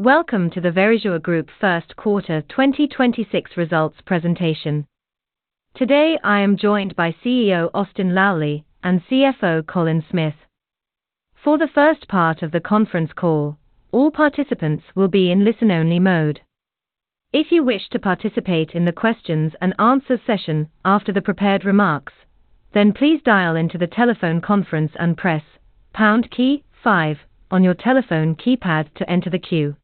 Welcome to the Verisure Group first quarter 2026 results presentation. Today, I am joined by CEO Austin Lally and CFO Colin Smith. For the first part of the conference call, all participants will be in listen-only mode. If you wish to participate in the questions and answers session after the prepared remarks, then please dial into the telephone conference and press pound key five on your telephone keypad to enter the queue.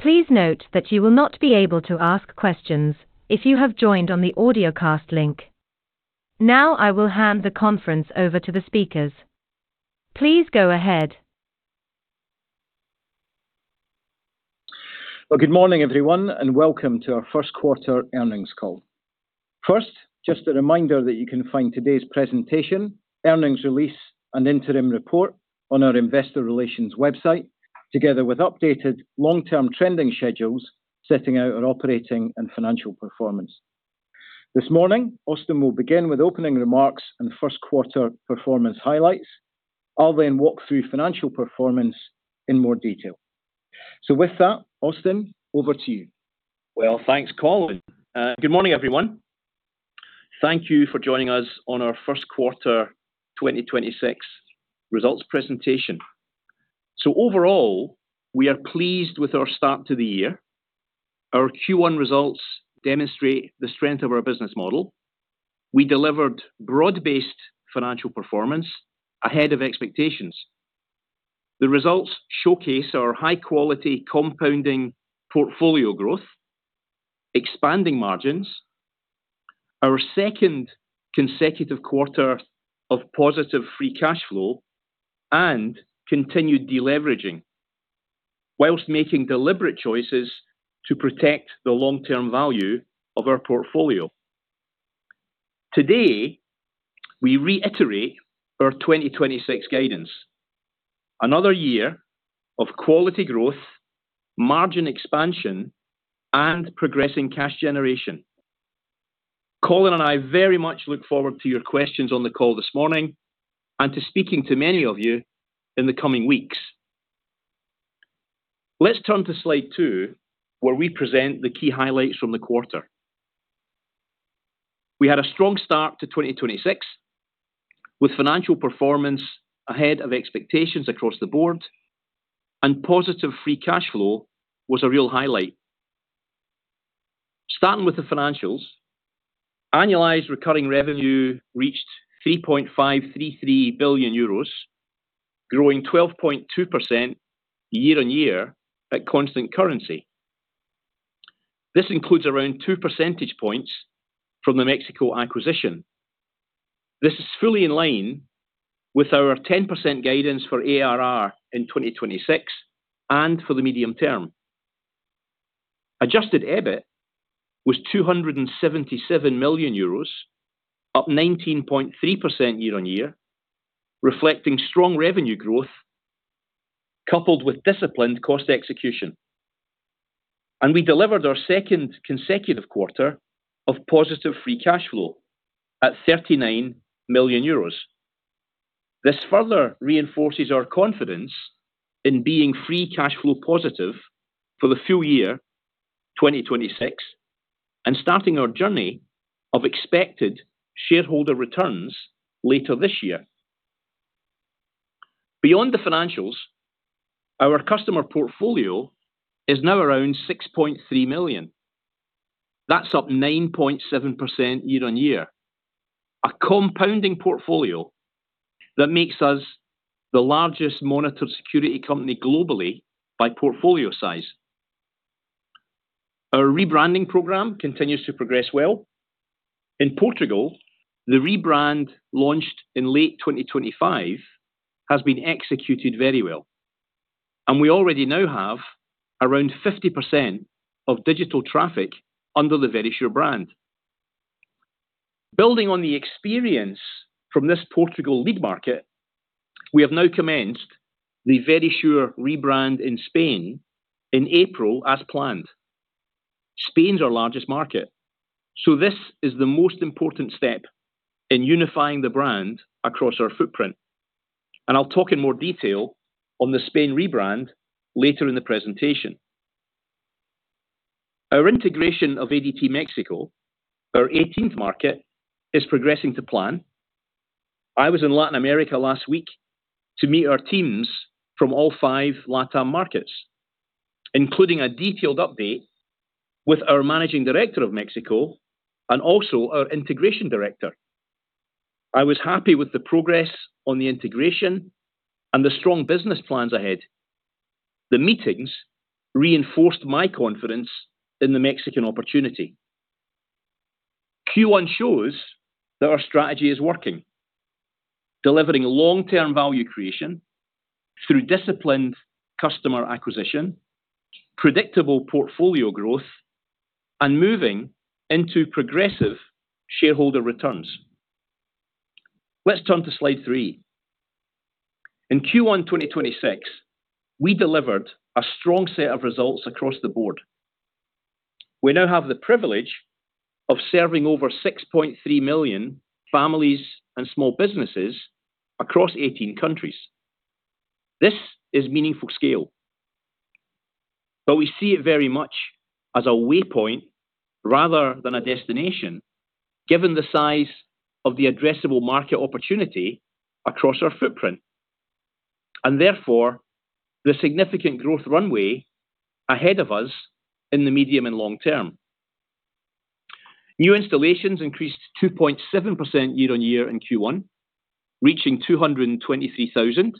Please note that you will not be able to ask questions if you have joined on the audiocast link. Now I will hand the conference over to the speakers. Please go ahead. Well, good morning, everyone, and welcome to our first quarter earnings call. First, just a reminder that you can find today's presentation, earnings release, and interim report on our investor relations website, together with updated long-term trending schedules setting out our operating and financial performance. This morning, Austin will begin with opening remarks and first quarter performance highlights. I'll walk through financial performance in more detail. With that, Austin, over to you. Well, thanks, Colin. Good morning, everyone. Thank you for joining us on our 1st quarter 2026 results presentation. Overall, we are pleased with our start to the year. Our Q1 results demonstrate the strength of our business model. We delivered broad-based financial performance ahead of expectations. The results showcase our high-quality compounding portfolio growth, expanding margins, our second consecutive quarter of positive free cash flow, and continued deleveraging, while making deliberate choices to protect the long-term value of our portfolio. Today, we reiterate our 2026 guidance. Another year of quality growth, margin expansion, and progressing cash generation. Colin and I very much look forward to your questions on the call this morning and to speaking to many of you in the coming weeks. Let's turn to slide two, where we present the key highlights from the quarter. We had a strong start to 2026, with financial performance ahead of expectations across the board, and positive free cash flow was a real highlight. Starting with the financials, annualized recurring revenue reached 3.533 billion euros, growing 12.2% year-on-year at constant currency. This includes around 2 percentage points from the Mexico acquisition. This is fully in line with our 10% guidance for ARR in 2026 and for the medium term. Adjusted EBIT was 277 million euros, up 19.3% year-on-year, reflecting strong revenue growth coupled with disciplined cost execution. We delivered our second consecutive quarter of positive free cash flow at 39 million euros. This further reinforces our confidence in being free cash flow positive for the full year 2026 and starting our journey of expected shareholder returns later this year. Beyond the financials, our customer portfolio is now around 6.3 million. That's up 9.7% year-on-year. A compounding portfolio that makes us the largest monitored security company globally by portfolio size. Our rebranding program continues to progress well. In Portugal, the rebrand launched in late 2025 has been executed very well, and we already now have around 50% of digital traffic under the Verisure brand. Building on the experience from this Portugal-led market, we have now commenced the Verisure rebrand in Spain in April as planned. Spain is our largest market, so this is the most important step in unifying the brand across our footprint, and I'll talk in more detail on the Spain rebrand later in the presentation. Our integration of ADT Mexico, our 18th market, is progressing to plan. I was in Latin America last week to meet our teams from all five LATAM markets, including a detailed update with our managing director of Mexico and also our integration director. I was happy with the progress on the integration and the strong business plans ahead. The meetings reinforced my confidence in the Mexican opportunity. Q1 shows that our strategy is working, delivering long-term value creation through disciplined customer acquisition, predictable portfolio growth, and moving into progressive shareholder returns. Let's turn to slide three. In Q1 2026, we delivered a strong set of results across the board. We now have the privilege of serving over 6.3 million families and small businesses across 18 countries. This is a meaningful scale, but we see it very much as a waypoint rather than a destination, given the size of the addressable market opportunity across our footprint, and therefore the significant growth runway ahead of us in the medium and long-term. New installations increased 2.7% year-on-year in Q1, reaching 223,000.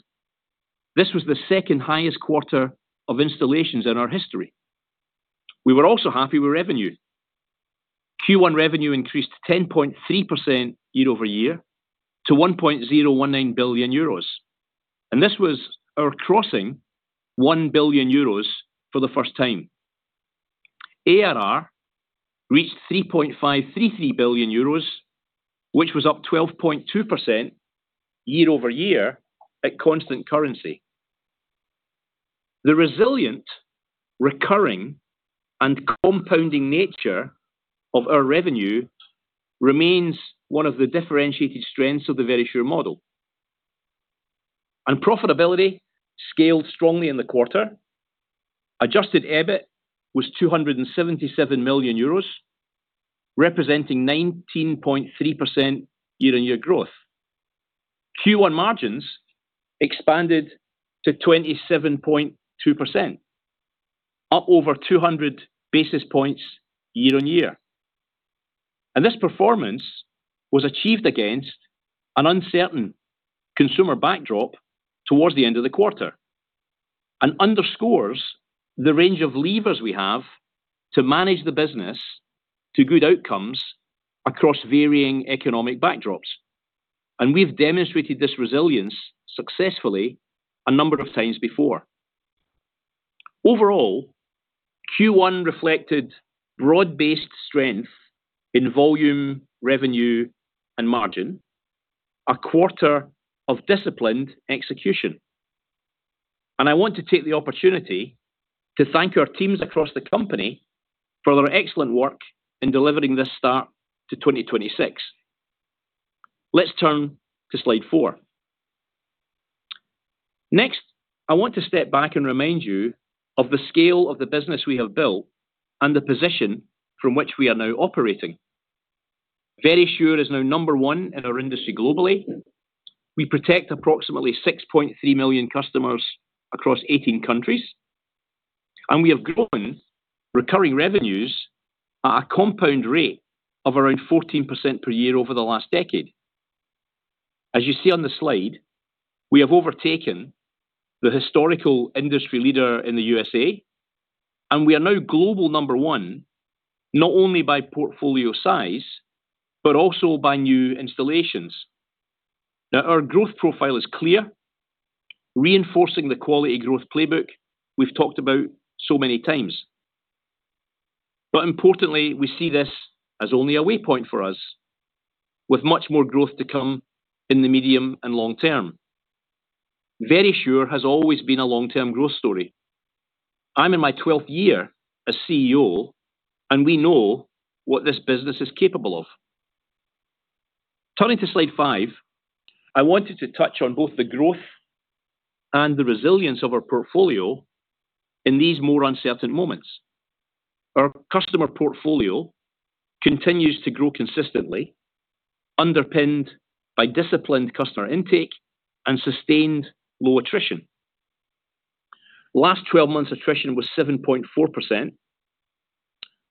This was the second-highest quarter of installations in our history. We were also happy with revenue. Q1 revenue increased 10.3% year-over-year to 1.019 billion euros, and this was our crossing of 1 billion euros for the first time. ARR reached 3.533 billion euros, which was up 12.2% year-over-year at constant currency. The resilient, recurring, and compounding nature of our revenue remains one of the differentiated strengths of the Verisure model. Profitability scaled strongly in the quarter. Adjusted EBIT was 277 million euros, representing 19.3% year-on-year growth. Q1 margins expanded to 27.2%, up over 200 basis points year-on-year. This performance was achieved against an uncertain consumer backdrop towards the end of the quarter and underscores the range of levers we have to manage the business to good outcomes across varying economic backdrops. We've demonstrated this resilience successfully a number of times before. Overall, Q1 reflected broad-based strength in volume, revenue, and margin, a quarter of disciplined execution. I want to take the opportunity to thank our teams across the company for their excellent work in delivering this start to 2026. Let's turn to slide four. Next, I want to step back and remind you of the scale of the business we have built and the position from which we are now operating. Verisure is now number one in our industry globally. We protect approximately 6.3 million customers across 18 countries, and we have grown recurring revenues at a compound rate of around 14% per year over the last decade. As you see on the slide, we have overtaken the historical industry leader in the USA, and we are now global number one, not only by portfolio size, but also by new installations. Our growth profile is clear, reinforcing the quality growth playbook we've talked about so many times. Importantly, we see this as only a waypoint for us with much more growth to come in the medium and long term. Verisure has always been a long-term growth story. I'm in my 12th year as CEO, and we know what this business is capable of. Turning to slide five, I wanted to touch on both the growth and the resilience of our portfolio in these more uncertain moments. Our customer portfolio continues to grow consistently, underpinned by disciplined customer intake and sustained low attrition. Last 12 months attrition was 7.4%,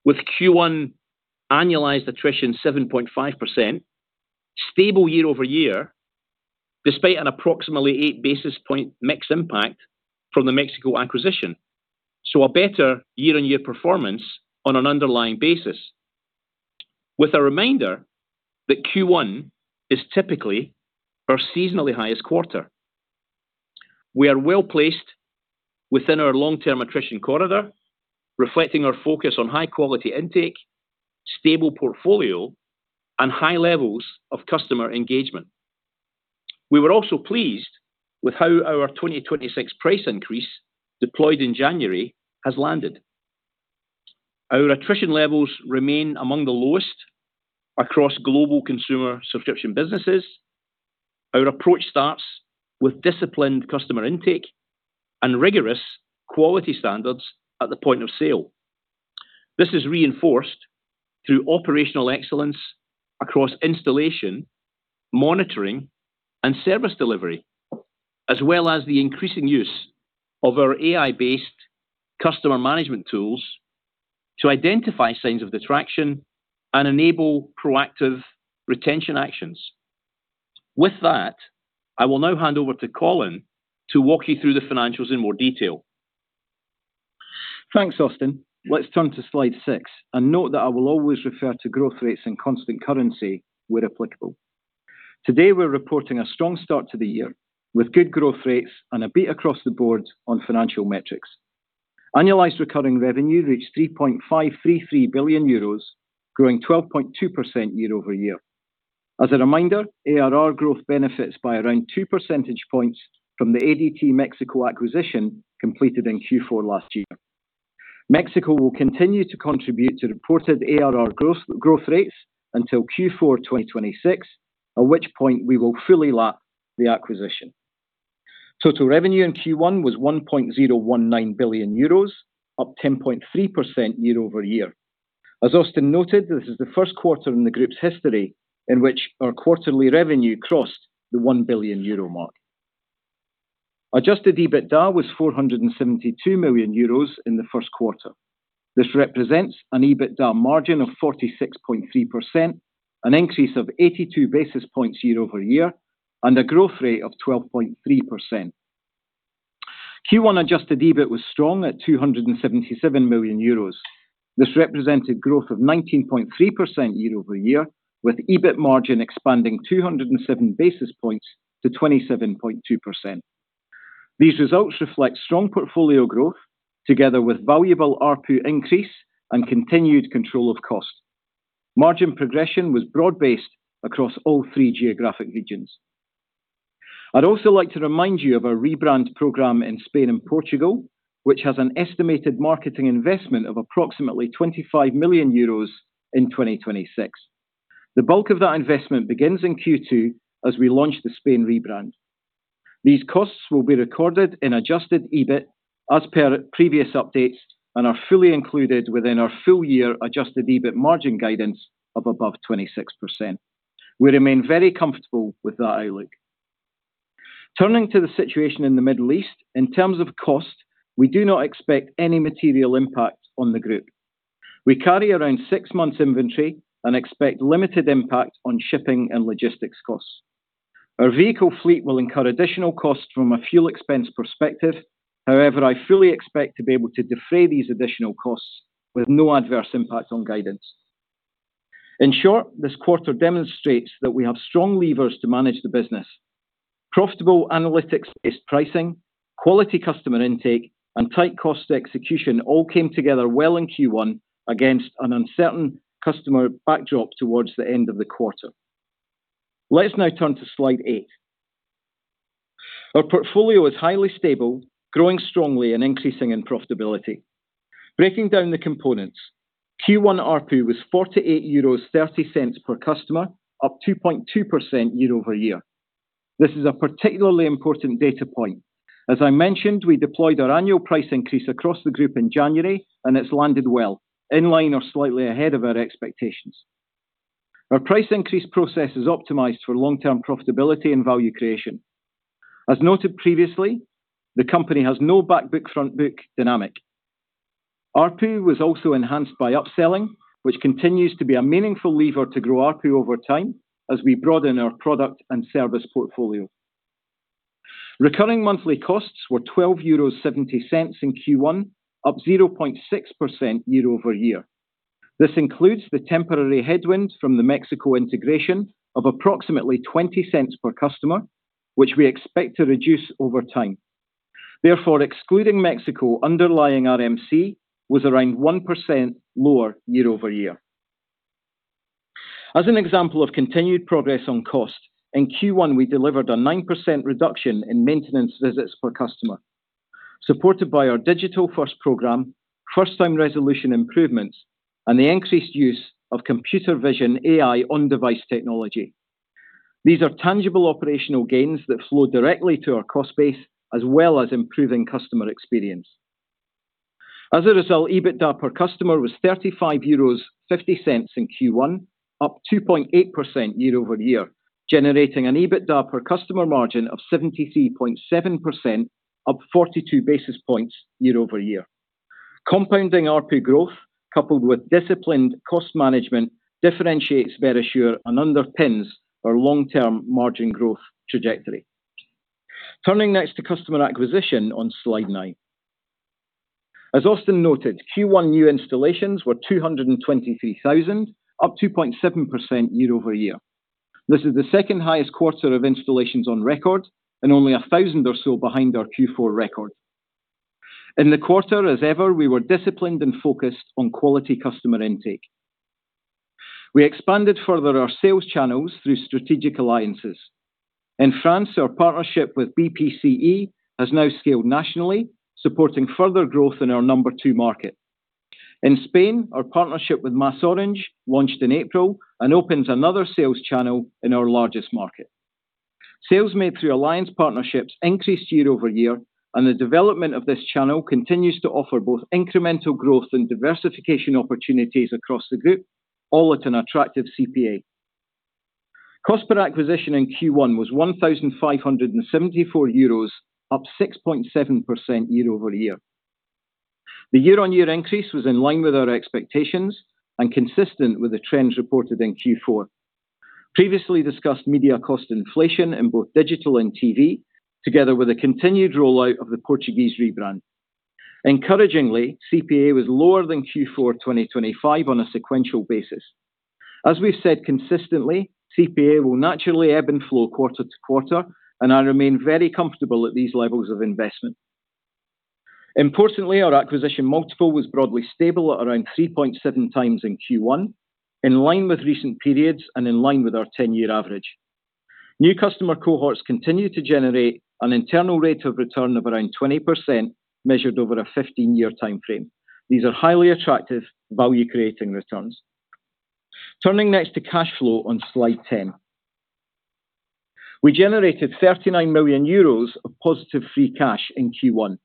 with Q1 annualized attrition 7.5%, stable year-over-year, despite an approximately 8 basis point mix impact from the Mexico acquisition. A better year-on-year performance on an underlying basis. With a reminder that Q1 is typically our seasonally highest quarter. We are well-placed within our long-term attrition corridor, reflecting our focus on high-quality intake, stable portfolio, and high levels of customer engagement. We were also pleased with how our 2026 price increase, deployed in January, has landed. Our attrition levels remain among the lowest across global consumer subscription businesses. Our approach starts with disciplined customer intake and rigorous quality standards at the point of sale. This is reinforced through operational excellence across installation, monitoring, and service delivery, as well as the increasing use of our AI-based customer management tools to identify signs of detraction and enable proactive retention actions. With that, I will now hand over to Colin to walk you through the financials in more detail. Thanks, Austin. Let's turn to slide six and note that I will always refer to growth rates and constant currency where applicable. Today, we're reporting a strong start to the year with good growth rates and a beat across the board on financial metrics. Annualized recurring revenue reached EUR 3.533 billion, growing 12.2% year-over-year. As a reminder, ARR growth benefits by around 2 percentage points from the ADT Mexico acquisition completed in Q4 last year. Mexico will continue to contribute to reported ARR growth rates until Q4 2026, at which point we will fully lap the acquisition. Total revenue in Q1 was 1.019 billion euros, up 10.3% year-over-year. As Austin noted, this is the first quarter in the group's history in which our quarterly revenue crossed the 1 billion euro mark. Adjusted EBITDA was 472 million euros in the first quarter. This represents an EBITDA margin of 46.3%, an increase of 82 basis points year-over-year, and a growth rate of 12.3%. Q1 adjusted EBIT was strong at 277 million euros. This represented growth of 19.3% year-over-year, with EBIT margin expanding 207 basis points to 27.2%. These results reflect strong portfolio growth, together with a valuable ARPU increase and continued control of costs. Margin progression was broad-based across all three geographic regions. I'd also like to remind you of our rebrand program in Spain and Portugal, which has an estimated marketing investment of approximately 25 million euros in 2026. The bulk of that investment begins in Q2 as we launch the Spain rebrand. These costs will be recorded in adjusted EBIT as per previous updates and are fully included within our full-year adjusted EBIT margin guidance of above 26%. We remain very comfortable with that outlook. Turning to the situation in the Middle East, in terms of cost, we do not expect any material impact on the group. We carry around six months' inventory and expect limited impact on shipping and logistics costs. Our vehicle fleet will incur additional costs from a fuel expense perspective. However, I fully expect to be able to defray these additional costs with no adverse impact on guidance. In short, this quarter demonstrates that we have strong levers to manage the business. Profitable analytics-based pricing, quality customer intake, and tight cost execution all came together well in Q1 against an uncertain customer backdrop towards the end of the quarter. Let's now turn to slide eight. Our portfolio is highly stable, growing strongly, and increasing in profitability. Breaking down the components, Q1 ARPU was 48.30 euros per customer, up 2.2% year-over-year. This is a particularly important data point. As I mentioned, we deployed our annual price increase across the group in January, and it's landed well, in line with or slightly ahead of our expectations. Our price increase process is optimized for long-term profitability and value creation. As noted previously, the company has no back book, front book dynamic. ARPU was also enhanced by upselling, which continues to be a meaningful lever to grow ARPU over time as we broaden our product and service portfolio. Recurring monthly costs were EUR 12.70 in Q1, up 0.6% year-over-year. This includes the temporary headwind from the Mexico integration of approximately 0.20 per customer, which we expect to reduce over time. Excluding Mexico, the underlying RMC was around 1% lower year-over-year. As an example of continued progress on cost, in Q1, we delivered a 9% reduction in maintenance visits per customer, supported by our digital-first program, first-time resolution improvements, and the increased use of Computer Vision AI on-device technology. These are tangible operational gains that flow directly to our cost base, as well as improving customer experience. EBITDA per customer was 35.50 euros in Q1, up 2.8% year-over-year, generating an EBITDA per customer margin of 73.7%, up 42 basis points year-over-year. Compounding ARPU growth coupled with disciplined cost management differentiates Verisure and underpins our long-term margin growth trajectory. Turning next to customer acquisition on slide nine. As Austin noted, Q1 new installations were 223,000, up 2.7% year-over-year. This is the second-highest quarter of installations on record and only 1,000 or so behind our Q4 record. In the quarter, as ever, we were disciplined and focused on quality customer intake. We further expanded our sales channels through strategic alliances. In France, our partnership with BPCE has now scaled nationally, supporting further growth in our number two market. In Spain, our partnership with MasOrange launched in April and opened another sales channel in our largest market. Sales made through alliance partnerships increased year-over-year, and the development of this channel continues to offer both incremental growth and diversification opportunities across the group, all at an attractive CPA. Cost per acquisition in Q1 was 1,574 euros, up 6.7% year-over-year. The year-on-year increase was in line with our expectations and consistent with the trends reported in Q4. Previously discussed media cost inflation in both digital and TV, together with a continued rollout of the Portuguese rebrand. Encouragingly, CPA was lower than Q4 2025 on a sequential basis. As we've said consistently, CPA will naturally ebb and flow quarter-to-quarter, and I remain very comfortable at these levels of investment. Importantly, our acquisition multiple was broadly stable at around 3.7x in Q1, in line with recent periods and in line with our 10-year average. New customer cohorts continue to generate an internal rate of return of around 20% measured over a 15-year timeframe. These are highly attractive value-creating returns. Turning next to cash flow on slide 10. We generated 39 million euros of positive free cash in Q1.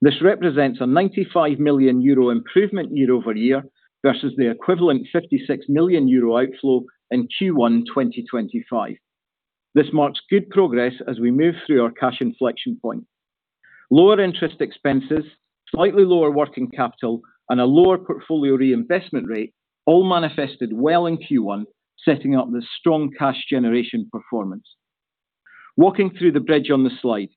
This represents a 95 million euro improvement year-over-year versus the equivalent 56 million euro outflow in Q1 2025. This marks good progress as we move through our cash inflection point. Lower interest expenses, slightly lower working capital, and a lower portfolio reinvestment rate all manifested well in Q1, setting up this strong cash generation performance. Walking through the bridge on the slide.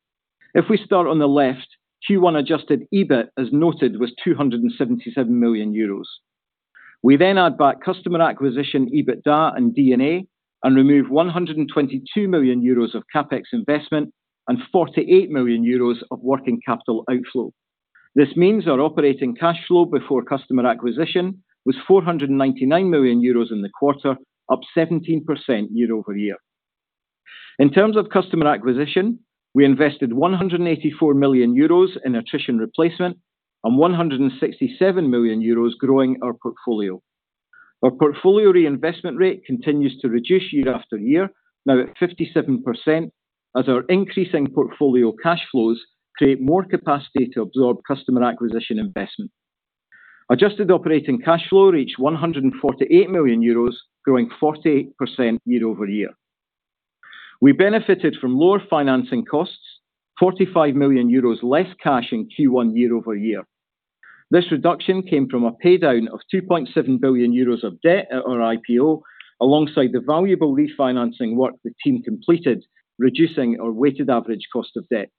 If we start on the left, Q1 adjusted EBIT, as noted, was 277 million euros. We add back customer acquisition, EBITDA, and D&A, and remove 122 million euros of CapEx investment and 48 million euros of working capital outflow. This means our operating cash flow before customer acquisition was 499 million euros in the quarter, up 17% year-over-year. In terms of customer acquisition, we invested 184 million euros in attrition replacement and 167 million euros in growing our portfolio. Our portfolio reinvestment rate continues to reduce year after year, now at 57%, as our increasing portfolio cash flows create more capacity to absorb customer acquisition investment. Adjusted operating cash flow reached 148 million euros, growing 48% year-over-year. We benefited from lower financing costs, 45 million euros less cash in Q1 year-over-year. This reduction came from a paydown of 2.7 billion euros of debt at our IPO, alongside the valuable refinancing work the team completed, reducing our weighted average cost of debt.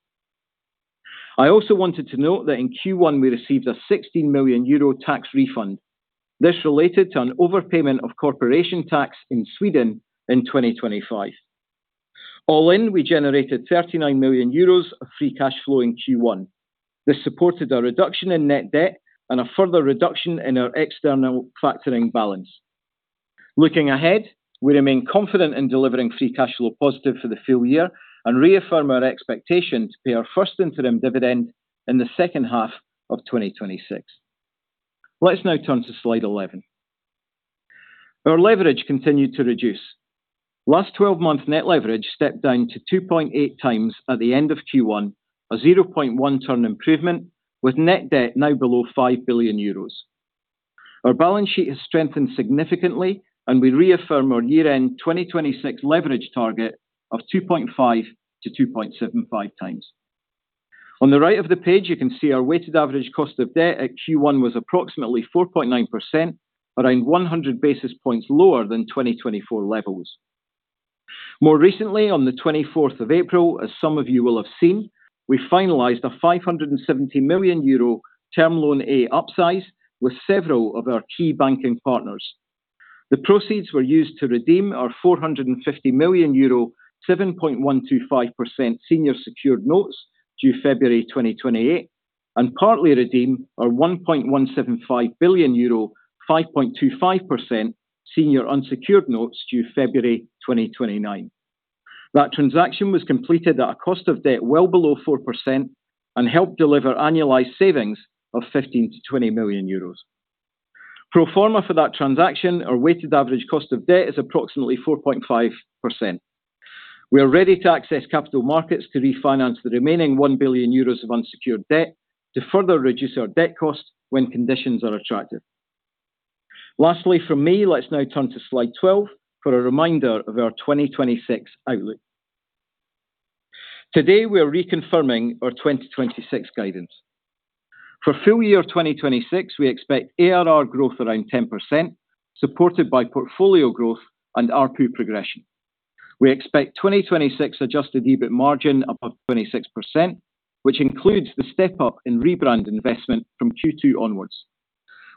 I also wanted to note that in Q1, we received a 16 million euro tax refund. This relates to an overpayment of corporation tax in Sweden in 2025. All in, we generated 39 million euros of free cash flow in Q1. This supported a reduction in net debt and a further reduction in our external factoring balance. Looking ahead, we remain confident in delivering free cash flow positive for the full year and reaffirm our expectation to pay our first interim dividend in the second half of 2026. Let's now turn to slide 11. Our leverage continued to reduce. Last 12-month net leverage stepped down to 2.8x at the end of Q1, a 0.1 turn improvement, with net debt now below 5 billion euros. Our balance sheet has strengthened significantly, and we reaffirm our year-end 2026 leverage target of 2.5x to 2.75x. On the right of the page, you can see our weighted average cost of debt at Q1 was approximately 4.9%, around 100 basis points lower than 2024 levels. More recently, on the 24th of April, as some of you will have seen, we finalized a 570 million euro Term Loan A upsize with several of our key banking partners. The proceeds were used to redeem our 450 million euro, 7.125% senior secured notes due February 2028, and partly redeem our 1.175 billion euro, 5.25% senior unsecured notes due February 2029. That transaction was completed at a cost of debt well below 4% and helped deliver annualized savings of 15 million-20 million euros. Pro forma for that transaction, our weighted average cost of debt is approximately 4.5%. We are ready to access capital markets to refinance the remaining 1 billion euros of unsecured debt to further reduce our debt cost when conditions are attractive. Lastly, from me, let's now turn to slide 12 for a reminder of our 2026 outlook. Today, we are reconfirming our 2026 guidance. For the full year 2026, we expect ARR growth of around 10%, supported by portfolio growth and ARPU progression. We expect the 2026 adjusted EBIT margin to be above 26%, which includes the step-up in rebrand investment from Q2 onwards.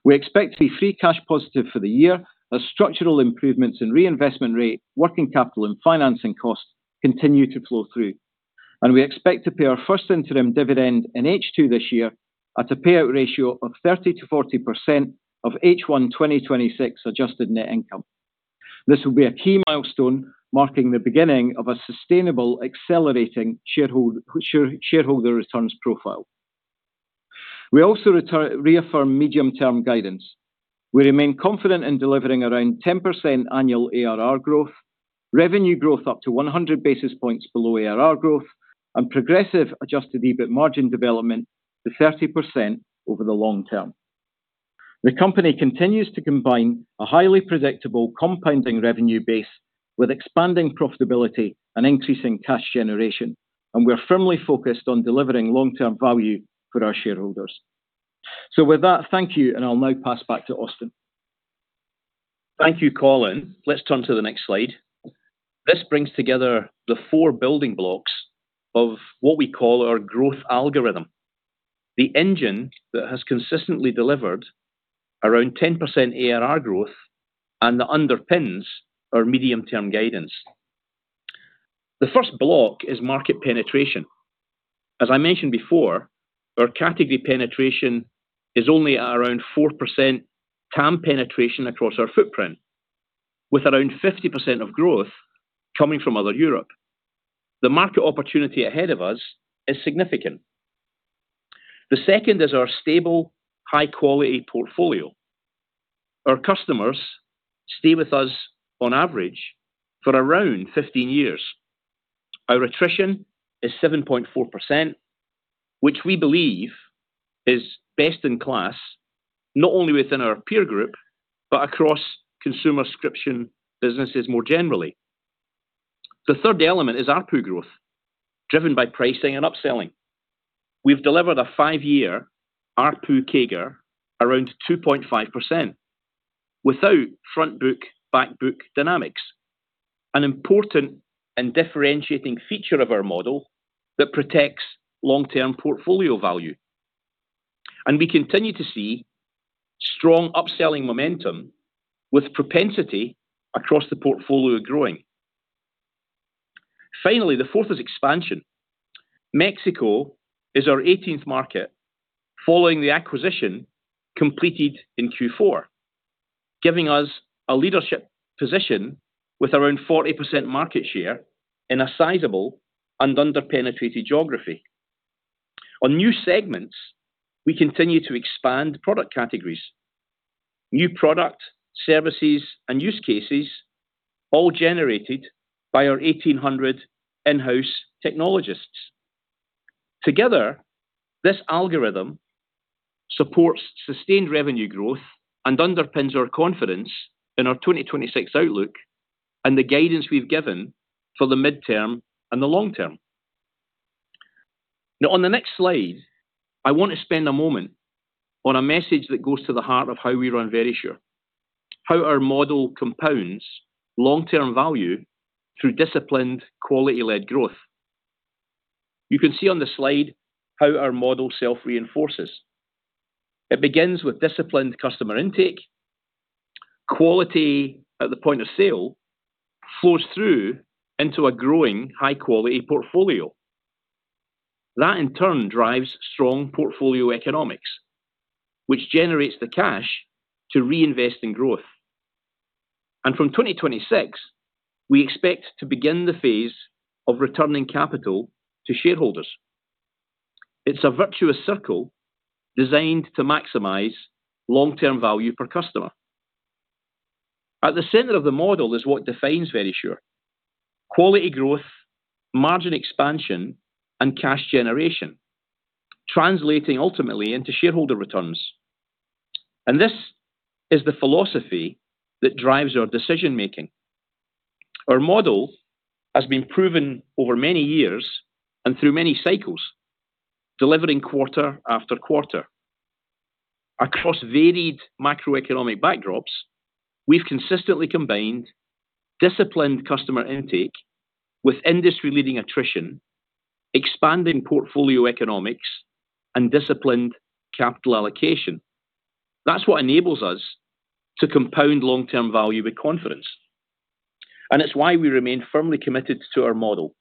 We expect to be free cash positive for the year as structural improvements in reinvestment rate, working capital, and financing costs continue to flow through. We expect to pay our first interim dividend in H2 this year at a payout ratio of 30%-40% of H1 2026 adjusted net income. This will be a key milestone, marking the beginning of a sustainable, accelerating shareholder returns profile. We also reaffirm medium-term guidance. We remain confident in delivering around 10% annual ARR growth, revenue growth up to 100 basis points below ARR growth, and progressive adjusted EBIT margin development to 30% over the long term. The company continues to combine a highly predictable compounding revenue base with expanding profitability and increasing cash generation, and we are firmly focused on delivering long-term value for our shareholders. With that, thank you, and I'll now pass back to Austin. Thank you, Colin. Let's turn to the next slide. This brings together the four building blocks of what we call our growth algorithm, the engine that has consistently delivered around 10% ARR growth and that underpins our medium-term guidance. The first block is market penetration. As I mentioned before, our category penetration is only at around 4% TAM penetration across our footprint, with around 50% of growth coming from other Europe. The market opportunity ahead of us is significant. The second is our stable, high-quality portfolio. Our customers stay with us on average for around 15 years. Our attrition is 7.4%, which we believe is best-in-class, not only within our peer group, but across consumer subscription businesses more generally. The third element is ARPU growth, driven by pricing and upselling. We've delivered a five-year ARPU CAGR of around 2.5% without front book, back book dynamics, an important and differentiating feature of our model that protects long-term portfolio value. We continue to see strong upselling momentum with propensity across the portfolio growing. Finally, the fourth is expansion. Mexico is our 18th market following the acquisition completed in Q4, giving us a leadership position with around 40% market share in a sizable and under-penetrated geography. On new segments, we continue to expand product categories, new products, services, and use cases, all generated by our 1,800 in-house technologists. Together, this algorithm supports sustained revenue growth and underpins our confidence in our 2026 outlook and the guidance we've given for the midterm and the long term. Now, on the next slide, I want to spend a moment on a message that goes to the heart of how we run Verisure, how our model compounds long-term value through disciplined quality-led growth. You can see on the slide how our model self-reinforces. It begins with disciplined customer intake. Quality at the point of sale flows through into a growing, high-quality portfolio. That in turn drives strong portfolio economics, which generates the cash to reinvest in growth. From 2026, we expect to begin the phase of returning capital to shareholders. It's a virtuous circle designed to maximize long-term value per customer. At the center of the model is what defines Verisure: quality growth, margin expansion, and cash generation, translating ultimately into shareholder returns. This is the philosophy that drives our decision-making. Our model has been proven over many years and through many cycles, delivering quarter after quarter. Across varied macroeconomic backdrops, we've consistently combined disciplined customer intake with industry-leading attrition, expanding portfolio economics, and disciplined capital allocation. That's what enables us to compound long-term value with confidence. It's why we remain firmly committed to our model,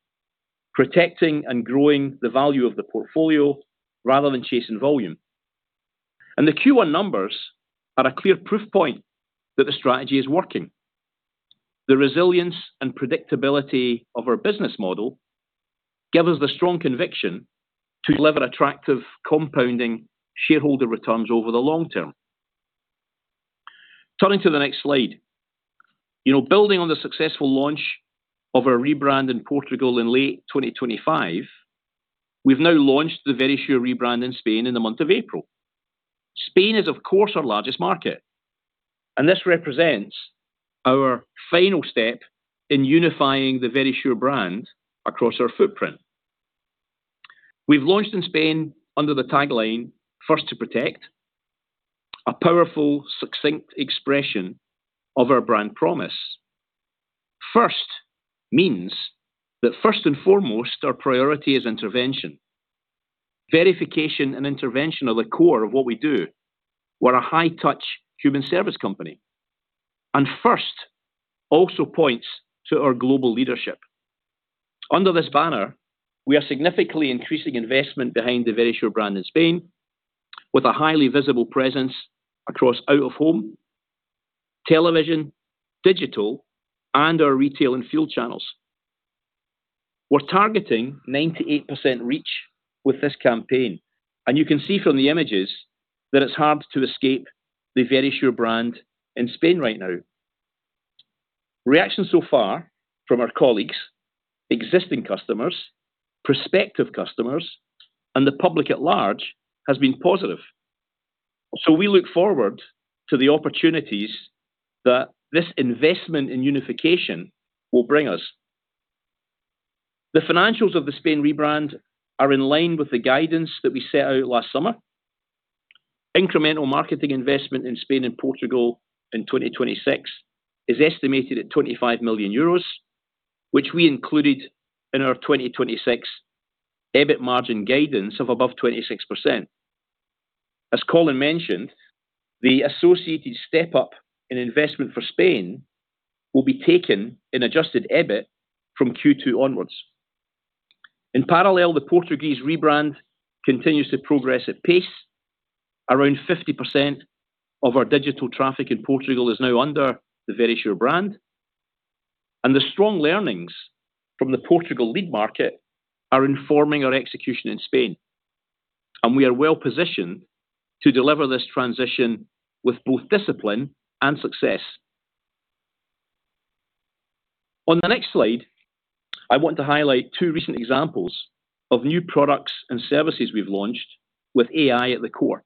protecting and growing the value of the portfolio rather than chasing volume. The Q1 numbers are a clear proof point that the strategy is working. The resilience and predictability of our business model give us the strong conviction to deliver attractive compounding shareholder returns over the long term. Turning to the next slide. You know, building on the successful launch of our rebrand in Portugal in late 2025, we've now launched the Verisure rebrand in Spain in the month of April. Spain is, of course, our largest market, and this represents our final step in unifying the Verisure brand across our footprint. We've launched in Spain under the tagline, first to protect, a powerful, succinct expression of our brand promise. First means that first and foremost, our priority is intervention. Verification and intervention are the core of what we do. We're a high-touch human service company. First also points to our global leadership. Under this banner, we are significantly increasing investment behind the Verisure brand in Spain with a highly visible presence across out-of-home, television, digital, and our retail and field channels. We're targeting 98% reach with this campaign. You can see from the images that it's hard to escape the Verisure brand in Spain right now. Reaction so far from our colleagues, existing customers, prospective customers, and the public at large has been positive. We look forward to the opportunities that this investment in unification will bring us. The financials of the Spain rebrand are in line with the guidance that we set out last summer. Incremental marketing investment in Spain and Portugal in 2026 is estimated at 25 million euros, which we included in our 2026 EBIT margin guidance of above 26%. As Colin mentioned, the associated step up in investment for Spain will be taken in adjusted EBIT from Q2 onwards. In parallel, the Portuguese rebrand continues to progress at pace. Around 50% of our digital traffic in Portugal is now under the Verisure brand, and the strong learnings from the Portugal-led market are informing our execution in Spain, and we are well-positioned to deliver this transition with both discipline and success. On the next slide, I want to highlight two recent examples of new products and services we've launched with AI at the core.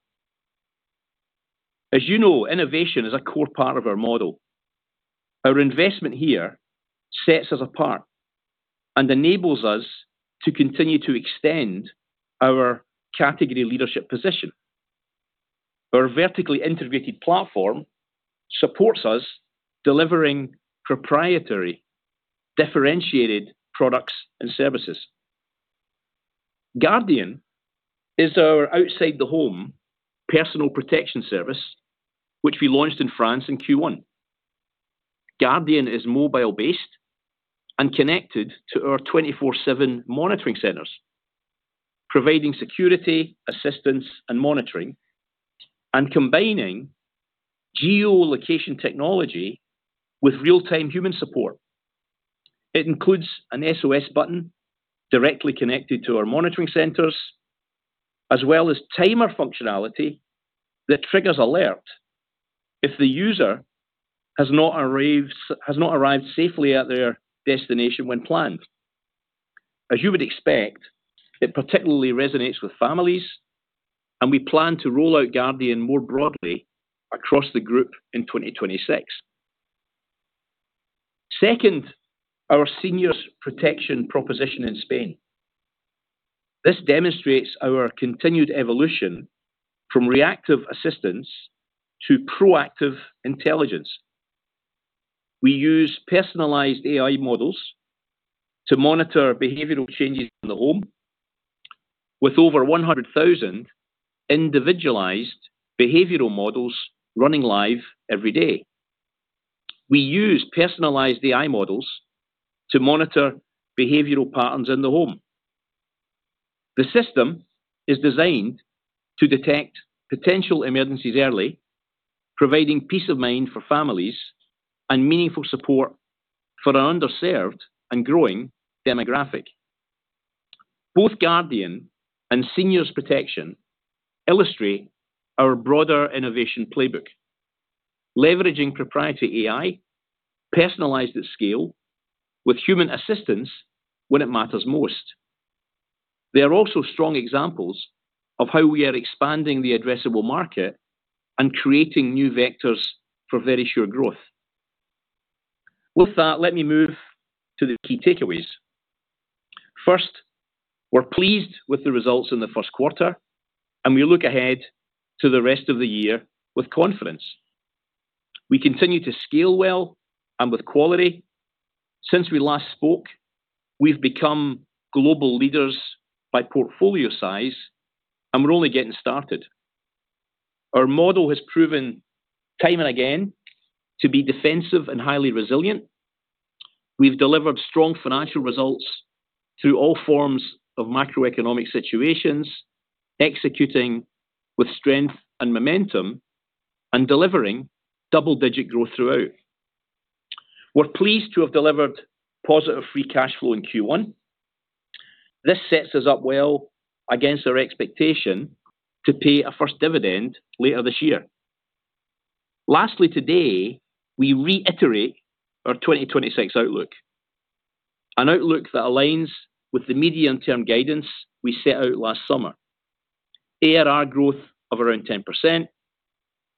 As you know, innovation is a core part of our model. Our investment here sets us apart and enables us to continue to extend our category leadership position. Our vertically integrated platform supports us in delivering proprietary differentiated products and services. Guardian is our outside-the-home personal protection service, which we launched in France in Q1. Guardian is mobile-based and connected to our 24/7 monitoring centers, providing security, assistance, and monitoring, and combining geolocation technology with real-time human support. It includes an SOS button directly connected to our monitoring centers, as well as timer functionality that triggers alert if the user has not arrived safely at their destination when planned. As you would expect, it particularly resonates with families, and we plan to roll out Guardian more broadly across the group in 2026. Second, our Seniors Protección proposition in Spain. This demonstrates our continued evolution from reactive assistance to proactive intelligence. We use personalized AI models to monitor behavioral changes in the home. With over 100,000 individualized behavioral models running live every day. We use personalized AI models to monitor behavioral patterns in the home. The system is designed to detect potential emergencies early, providing peace of mind for families and meaningful support for an underserved and growing demographic. Both Guardian and Seniors Protección illustrate our broader innovation playbook, leveraging proprietary AI personalized at scale with human assistance when it matters most. They are also strong examples of how we are expanding the addressable market and creating new vectors for Verisure's growth. With that, let me move to the key takeaways. First, we're pleased with the results in the first quarter, and we look ahead to the rest of the year with confidence. We continue to scale well and with quality. Since we last spoke, we've become global leaders by portfolio size, and we're only getting started. Our model has proven time and again to be defensive and highly resilient. We've delivered strong financial results through all forms of macroeconomic situations, executing with strength and momentum, and delivering double-digit growth throughout. We're pleased to have delivered positive free cash flow in Q1. This sets us up well against our expectation to pay a first dividend later this year. Lastly, today, we reiterate our 2026 outlook, an outlook that aligns with the medium-term guidance we set out last summer. ARR growth of around 10%,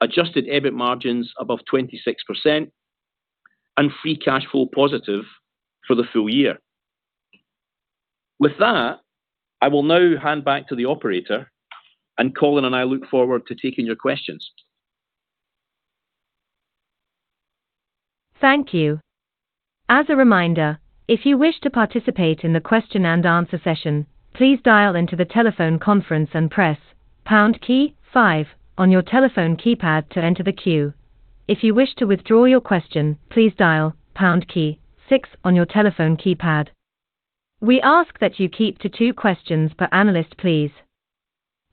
adjusted EBIT margins above 26%, and free cash flow positive for the full year. With that, I will now hand back to the operator, and Colin and I look forward to taking your questions. Thank you. As a reminder, if you wish to participate in the question-and-answer session, please dial into the telephone conference and press pound key five on your telephone keypad to enter the queue. If you wish to withdraw your question, please dial pound key six on your telephone keypad. We ask that you keep to two questions per analyst, please.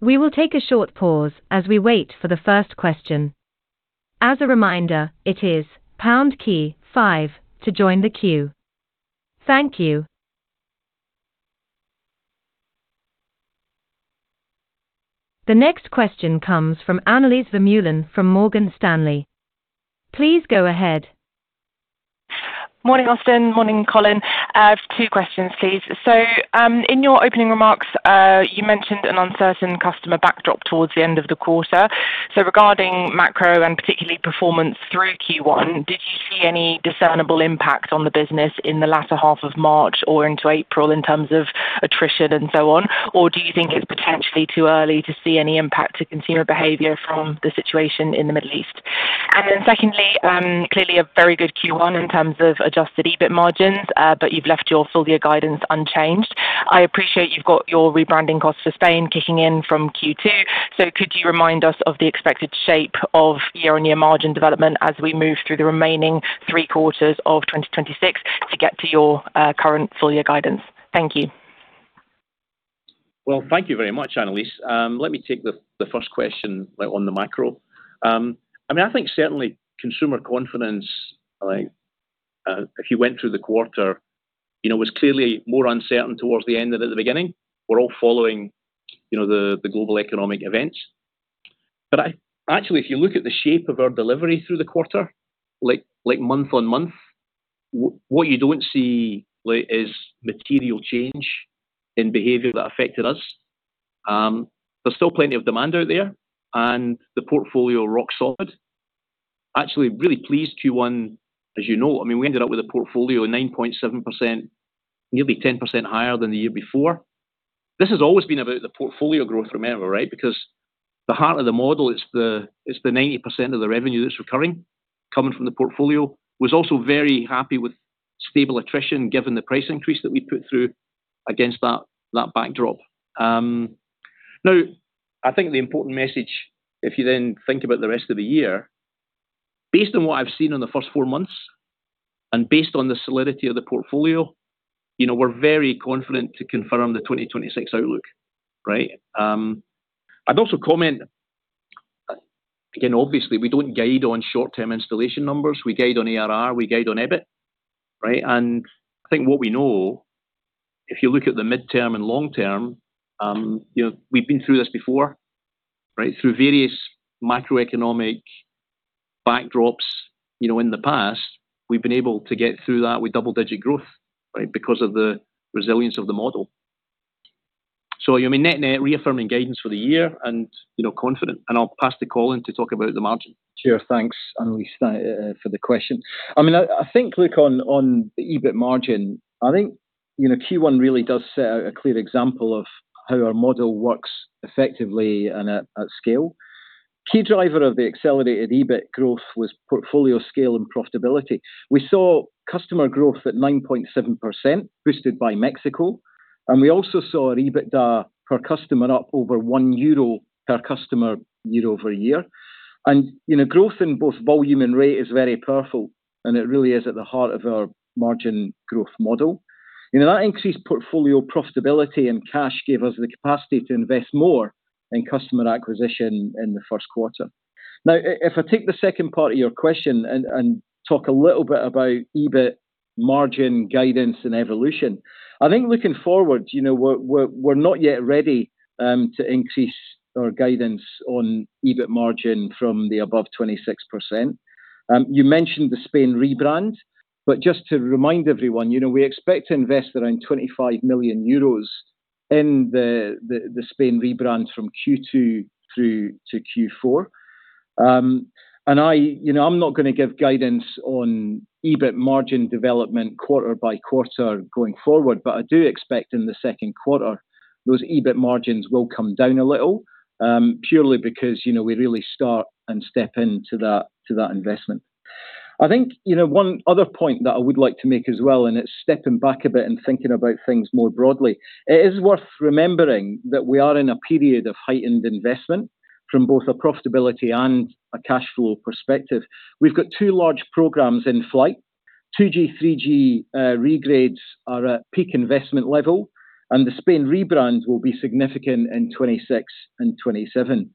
We will take a short pause as we wait for the first question. As a reminder, it is pound key five to join the queue. Thank you. The next question comes from Annelies Vermeulen from Morgan Stanley. Please go ahead. Morning, Austin. Morning, Colin. I have two questions, please. In your opening remarks, you mentioned an uncertain customer backdrop towards the end of the quarter. Regarding macro and particularly performance through Q1, did you see any discernible impact on the business in the latter half of March or into April in terms of attrition and so on? Do you think it's potentially too early to see any impact to consumer behavior from the situation in the Middle East? Secondly, clearly a very good Q1 in terms of adjusted EBIT margins, but you've left your full year guidance unchanged. I appreciate that you've got your rebranding costs for Spain kicking in from Q2. Could you remind us of the expected shape of year-on-year margin development as we move through the remaining three quarters of 2026 to get to your current full-year guidance? Thank you. Well, thank you very much, Annelies. Let me take the first question, like, on the macro. I mean, I think certainly consumer confidence, like, if you went through the quarter, you know, was clearly more uncertain towards the end than at the beginning. We're all following, you know, the global economic events. Actually, if you look at the shape of our delivery through the quarter, like, month-on-month, what you don't see, like, is a material change in behavior that affected us. There's still plenty of demand out there, and the portfolio rock solid. Actually, really pleased Q1, as you know. I mean, we ended up with a portfolio 9.7%, nearly 10% higher than the year before. This has always been about the portfolio growth, remember, right? The heart of the model is the 90% of the revenue that's recurring coming from the portfolio. Was also very happy with stable attrition given the price increase that we put through against that backdrop. Now I think the important message is, if you then think about the rest of the year, based on what I've seen in the first four months and based on the solidity of the portfolio, you know, we're very confident to confirm the 2026 outlook, right? I'd also comment, again, obviously, we don't guide on short-term installation numbers. We guide on ARR, we guide on EBIT, right? I think what we know, if you look at the mid-term and long-term, you know, we've been through this before, right? Through various macroeconomic backdrops, you know, in the past, we've been able to get through that with double-digit growth, right? Because of the resilience of the model. I mean, net-net reaffirming guidance for the year and, you know, confident, and I'll pass to Colin to talk about the margin. Sure. Thanks, Annelies, for the question. I mean, I think, look on the EBIT margin, I think, you know, Q1 really does set out a clear example of how our model works effectively and at scale. Key driver of the accelerated EBIT growth was portfolio scale and profitability. We saw customer growth at 9.7%, boosted by Mexico, and we also saw our EBITDA per customer up over 1 euro per customer year-over-year. You know, growth in both volume and rate is very powerful, and it really is at the heart of our margin growth model. You know, that increased portfolio profitability and cash gave us the capacity to invest more in customer acquisition in the first quarter. If I take the second part of your question and talk a little bit about EBIT margin guidance and evolution, I think looking forward, you know, we're not yet ready to increase our guidance on EBIT margin from the above 26%. You mentioned the Spain rebrand, just to remind everyone, you know, we expect to invest around 25 million euros in the Spain rebrand from Q2 through to Q4. I, you know, I'm not gonna give guidance on EBIT margin development quarter-by-quarter going forward, I do expect in the second quarter, those EBIT margins will come down a little purely because, you know, we really start and step into to that investment. I think, you know, one other point that I would like to make as well. It's stepping back a bit and thinking about things more broadly. It is worth remembering that we are in a period of heightened investment from both a profitability and a cash flow perspective. We've got two large programs in flight. 2G, 3G regrades are at peak investment level. The Spain rebrand will be significant in 2026 and 2027.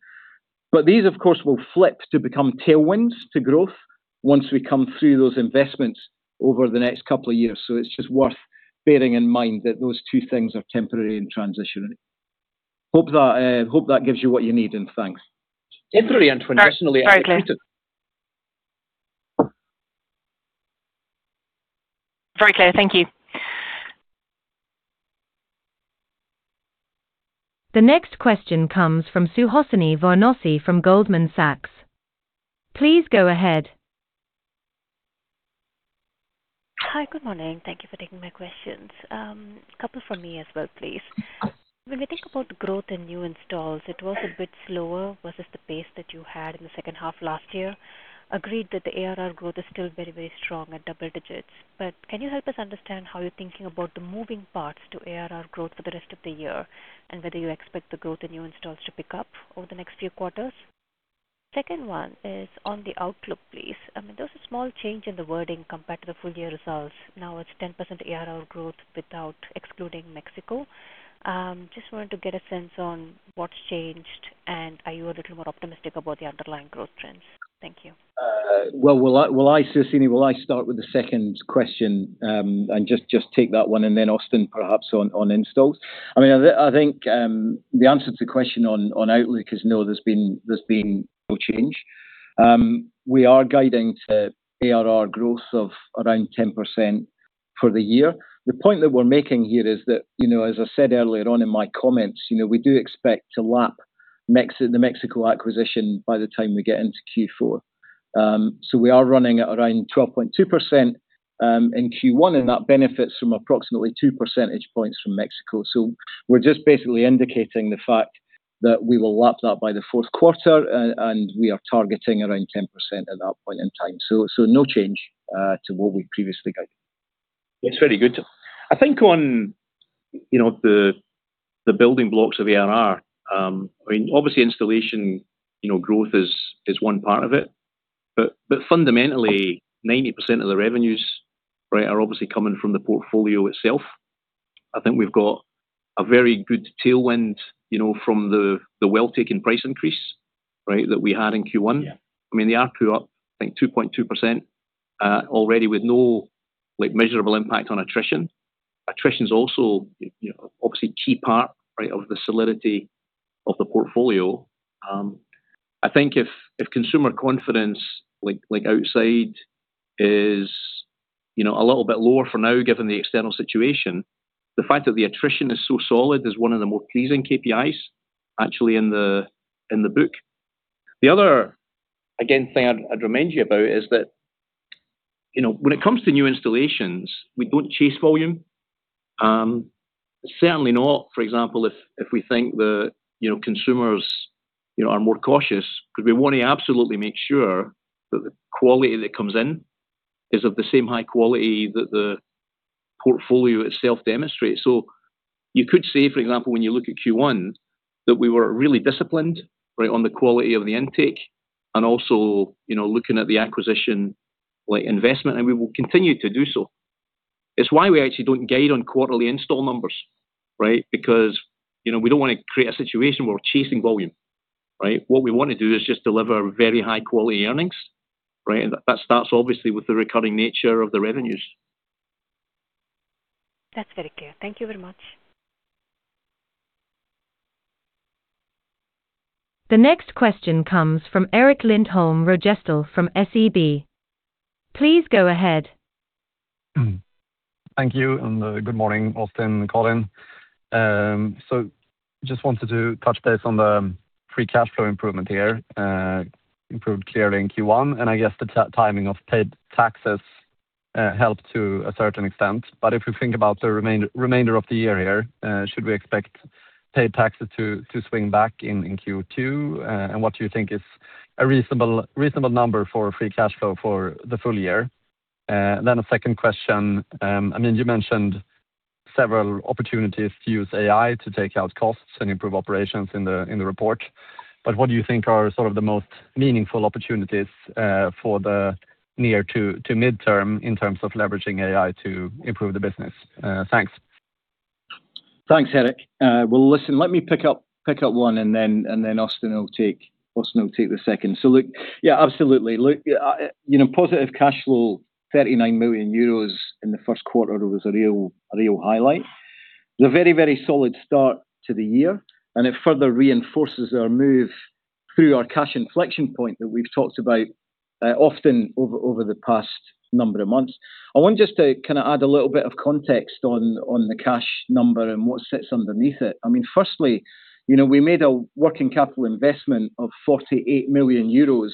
These, of course, will flip to become tailwinds to growth once we come through those investments over the next couple of years. It's just worth bearing in mind that those two things are temporary and transitioning. Hope that gives you what you need. Thanks. Very, very clear. Temporary and transitional. Very clear. Very clear. Thank you. The next question comes from Suhasini Varanasi from Goldman Sachs. Please go ahead. Hi. Good morning. Thank you for taking my questions. Couple from me as well, please. When we think about growth in new installs, it was a bit slower versus the pace that you had in the second half last year. Agreed that the ARR growth is still very, very strong at double digits. Can you help us understand how you're thinking about the moving parts to ARR growth for the rest of the year, and whether you expect the growth in new installs to pick up over the next few quarters? The second one is on the outlook, please. I mean, there was a small change in the wording compared to the full-year results. Now it's 10% ARR growth without excluding Mexico. Just wanted to get a sense on what's changed, and are you a little more optimistic about the underlying growth trends? Thank you. Well, will I, Suhasini, will I start with the second question, just take that one, and then Austin perhaps on installs. I mean, I think, the answer to the question on outlook is no, there's been no change. We are guiding to ARR growth of around 10% for the year. The point that we're making here is that, you know, as I said earlier on in my comments, you know, we do expect to lap the Mexico acquisition by the time we get into Q4. We are running at around 12.2% in Q1, and that benefits from approximately 2 percentage points from Mexico. We're just basically indicating the fact that we will lap that by the fourth quarter, and we are targeting around 10% at that point in time. No change to what we previously guided. It's very good. I think on, you know, the building blocks of ARR, I mean, obviously installation, you know, growth is one part of it. Fundamentally, 90% of the revenues, right, are obviously coming from the portfolio itself. I think we've got a very good tailwind, you know, from the well-taken price increase, right, that we had in Q1. Yeah. I mean, the ARPU up, I think 2.2% already, with no, like, measurable impact on attrition. Attrition is also, you know, obviously a key part, right, of the solidity of the portfolio. I think if consumer confidence, like outside, is, you know, a little bit lower for now, given the external situation, the fact that the attrition is so solid is one of the more pleasing KPIs actually in the book. The other, again, thing I'd remind you about is that, you know, when it comes to new installations, we don't chase volume. Certainly not, for example, if we think the, you know, consumers, you know, are more cautious, 'cause we want to absolutely make sure that the quality that comes in is of the same high quality that the portfolio itself demonstrates. You could say, for example, when you look at Q1, that we were really disciplined, right, on the quality of the intake and also, you know, looking at the acquisition, like, investment, and we will continue to do so. It's why we actually don't guide on quarterly install numbers, right? Because, you know, we don't wanna create a situation where we're chasing volume, right? What we wanna do is just deliver very high-quality earnings, right? That starts obviously with the recurring nature of the revenues. That's very clear. Thank you very much. The next question comes from Erik Lindholm-Röjestål from SEB. Please go ahead. Thank you. Good morning, Austin, Colin. Just wanted to touch base on the free cash flow improvement here. Improved clearly in Q1, and I guess the timing of paid taxes helped to a certain extent. If you think about the remainder of the year here, should we expect paid taxes to swing back in Q2? What do you think is a reasonable number for free cash flow for the full year? A second question. I mean, you mentioned several opportunities to use AI to take out costs and improve operations in the report. What do you think are sort of the most meaningful opportunities for the near-term to mid-term in terms of leveraging AI to improve the business? Thanks. Thanks, Erik. Well, listen, let me pick up one, and then Austin will take the second. Look, yeah, absolutely. Look, you know, positive cash flow, 39 million euros in the first quarter, was a real highlight. It was a very solid start to the year, and it further reinforces our move through our cash inflection point that we've talked about often over the past number of months. I just want to kind of add a little bit of context on the cash number and what sits underneath it. I mean, firstly, you know, we made a working capital investment of 48 million euros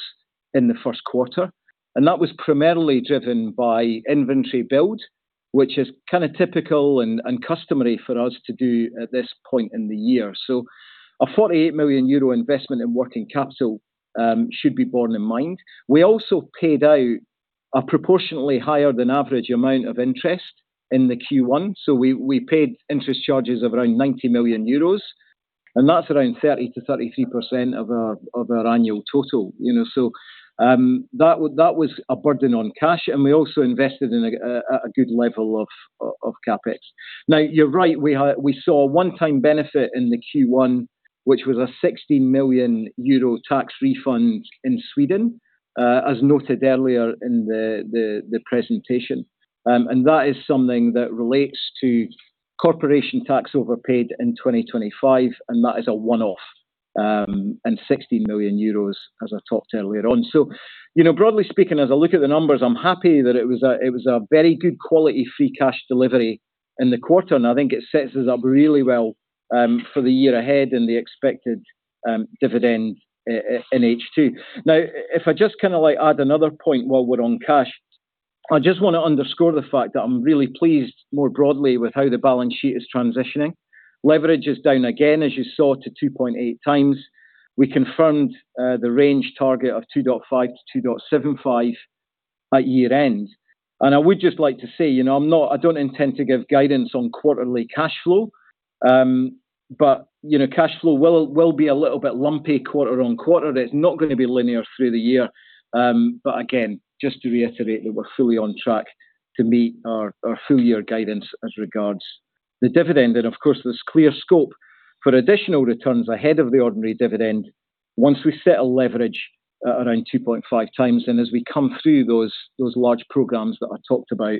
in the first quarter, and that was primarily driven by inventory build, which is kind of typical and customary for us to do at this point in the year. A 48 million euro investment in working capital should be borne in mind. We also paid out a proportionately higher than average amount of interest in the Q1. We paid interest charges of around 90 million euros, and that's around 30%-33% of our annual total, you know. That was a burden on cash, and we also invested in a good level of CapEx. Now, you're right. We saw a one-time benefit in the Q1, which was a 60 million euro tax refund in Sweden, as noted earlier in the presentation. That is something that relates to corporation tax overpaid in 2025, and that is a one-off, and 60 million euros, as I talked earlier on. You know, broadly speaking, as I look at the numbers, I'm happy that it was a, it was a very good quality free cash delivery in the quarter, and I think it sets us up really well for the year ahead and the expected dividend in H2. If I just kinda like add another point while we're on cash, I just wanna underscore the fact that I'm really pleased more broadly with how the balance sheet is transitioning. Leverage is down again, as you saw, to 2.8x. We confirmed the range target of 2.5x-2.75x at year-end. I would just like to say, you know, I don't intend to give guidance on quarterly cash flow. You know, cash flow will be a little bit lumpy quarter-on-quarter. It's not gonna be linear through the year. Again, just to reiterate that we're fully on track to meet our full-year guidance as regards the dividend. Of course, there's clear scope for additional returns ahead of the ordinary dividend once we set a leverage around 2.5x, and as we come through those large programs that I talked about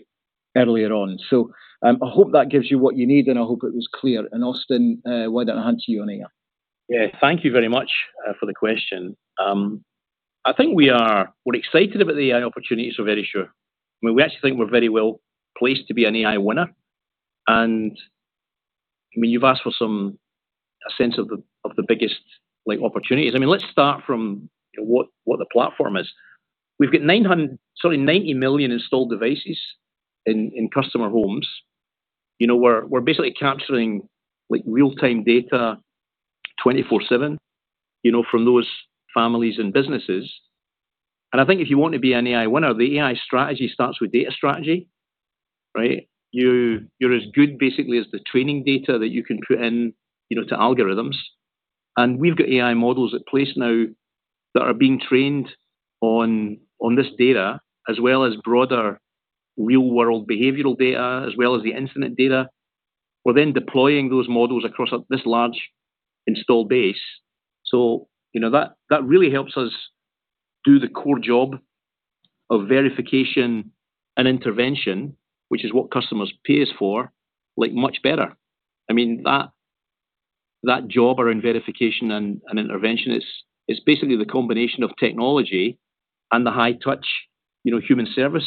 earlier on. I hope that gives you what you need, and I hope it was clear. Austin, why don't I hand to you on AI? Thank you very much for the question. I think we're excited about the AI opportunities for Verisure. I mean, we actually think we're very well placed to be an AI winner. I mean, you've asked for some sense of the biggest like opportunities. I mean, let's start from what the platform is. We've got 90 million installed devices in customer homes. You know, we're basically capturing like real-time data 24/7, you know, from those families and businesses. I think if you want to be an AI winner, the AI strategy starts with a data strategy, right? You're as good basically as the training data that you can put in, you know, to algorithms. We've got AI models at place now that are being trained on this data, as well as broader real-world behavioral data, as well as the infinite data. We're deploying those models across this large installed base. You know, that really helps us do the core job of verification and intervention, which is what customers pay for, like much better. I mean, that job around verification and intervention is basically the combination of technology and the high touch, you know, human service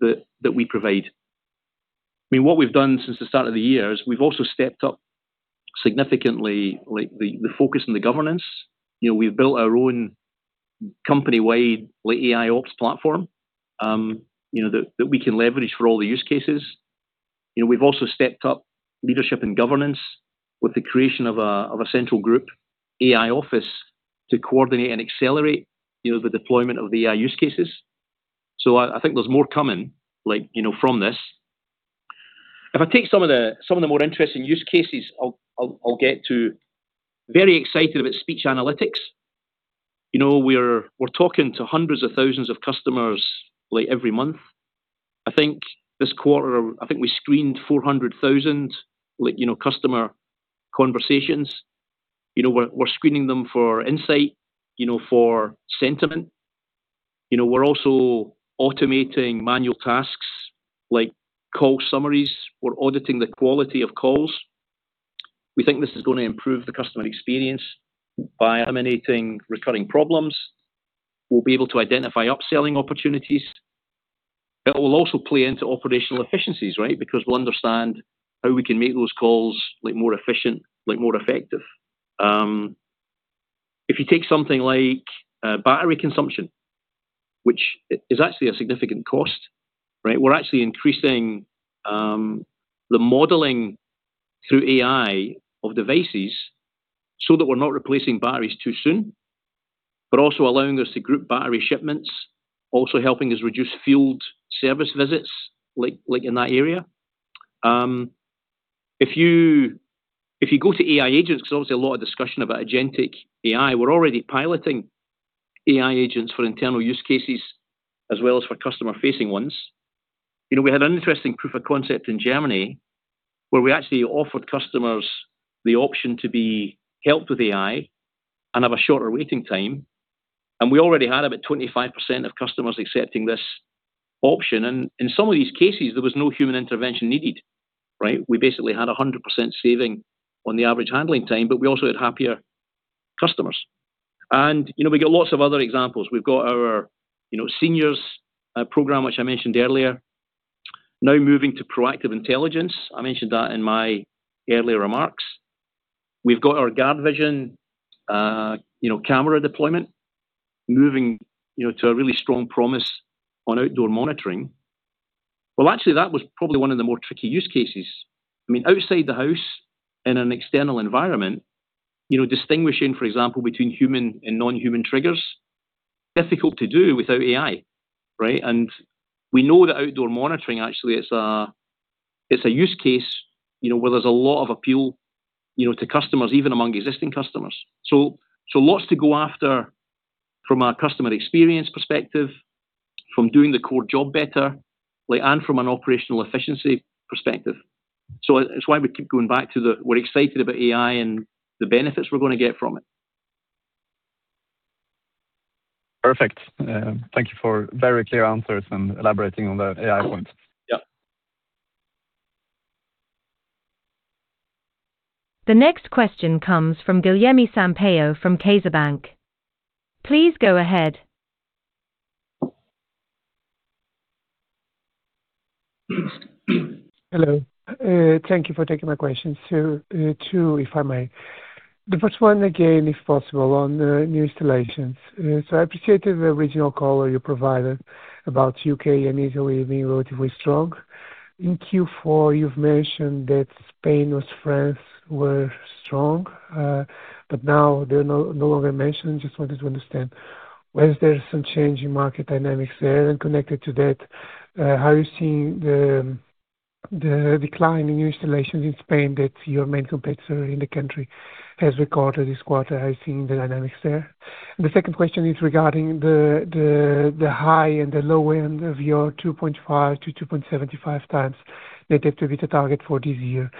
that we provide. I mean, what we've done since the start of the year is we've also stepped up significantly, like the focus and the governance. You know, we've built our own company-wide like AIOps platform, you know, that we can leverage for all the use cases. You know, we've also stepped up leadership and governance with the creation of a central group AI office to coordinate and accelerate, you know, the deployment of the AI use cases. I think there's more coming, like, you know, from this. If I take some of the more interesting use cases, I'll get to very excited about speech analytics. You know, we're talking to hundreds of thousands of customers like every month. I think this quarter we screened 400,000, like, you know, customer conversations. You know, we're screening them for insight, you know, for sentiment. You know, we're also automating manual tasks like call summaries. We're auditing the quality of calls. We think this is gonna improve the customer experience by eliminating recurring problems. We'll be able to identify upselling opportunities. It will also play into operational efficiencies, right? We'll understand how we can make those calls like more efficient, like more effective. If you take something like battery consumption, which is actually a significant cost, right? We're actually increasing the modeling through AI of devices so that we're not replacing batteries too soon, but also allowing us to group battery shipments, also helping us reduce field service visits, like in that area. If you go to AI agents, 'cause obviously a lot of discussion about agentic AI, we're already piloting AI agents for internal use cases as well as for customer-facing ones. You know, we had an interesting proof of concept in Germany where we actually offered customers the option to be helped with AI and have a shorter waiting time. We already had about 25% of customers accepting this option. In some of these cases, there was no human intervention needed, right? We basically had a 100% saving on the average handling time, but we also had happier customers. You know, we've got lots of other examples. We've got our, you know, Seniors program, which I mentioned earlier. Now moving to proactive intelligence. I mentioned that in my earlier remarks. We've got our GuardVision, you know, camera deployment moving, you know, to a really strong promise on outdoor monitoring. Well, actually, that was probably one of the more tricky use cases. I mean, outside the house in an external environment, you know, distinguishing, for example, between human and non-human triggers, difficult to do without AI, right? We know that outdoor monitoring is actually a use case, you know, where there's a lot of appeal, you know, to customers, even among existing customers. Lots to go after from a customer experience perspective, from doing the core job better, like and from an operational efficiency perspective. It's why we keep going back to the we're excited about AI and the benefits we're gonna get from it. Perfect. Thank you for very clear answers and elaborating on the AI points. Yeah. The next question comes from Guilherme Sampaio from CaixaBank. Please go ahead. Hello. Thank you for taking my questions. Two, two if I may. The first one again, if possible, on the new installations. So I appreciated the original color you provided about U.K. and Italy being relatively strong. In Q4, you've mentioned that Spain with France were strong, but now they're no longer mentioned. Just wanted to understand was there some change in market dynamics there? Connected to that, how are you seeing the decline in new installations in Spain that your main competitor in the country has recorded this quarter? Have you seen the dynamics there? The second question is regarding the high and the low end of your 2.5x to 2.75x net leverage target for this year.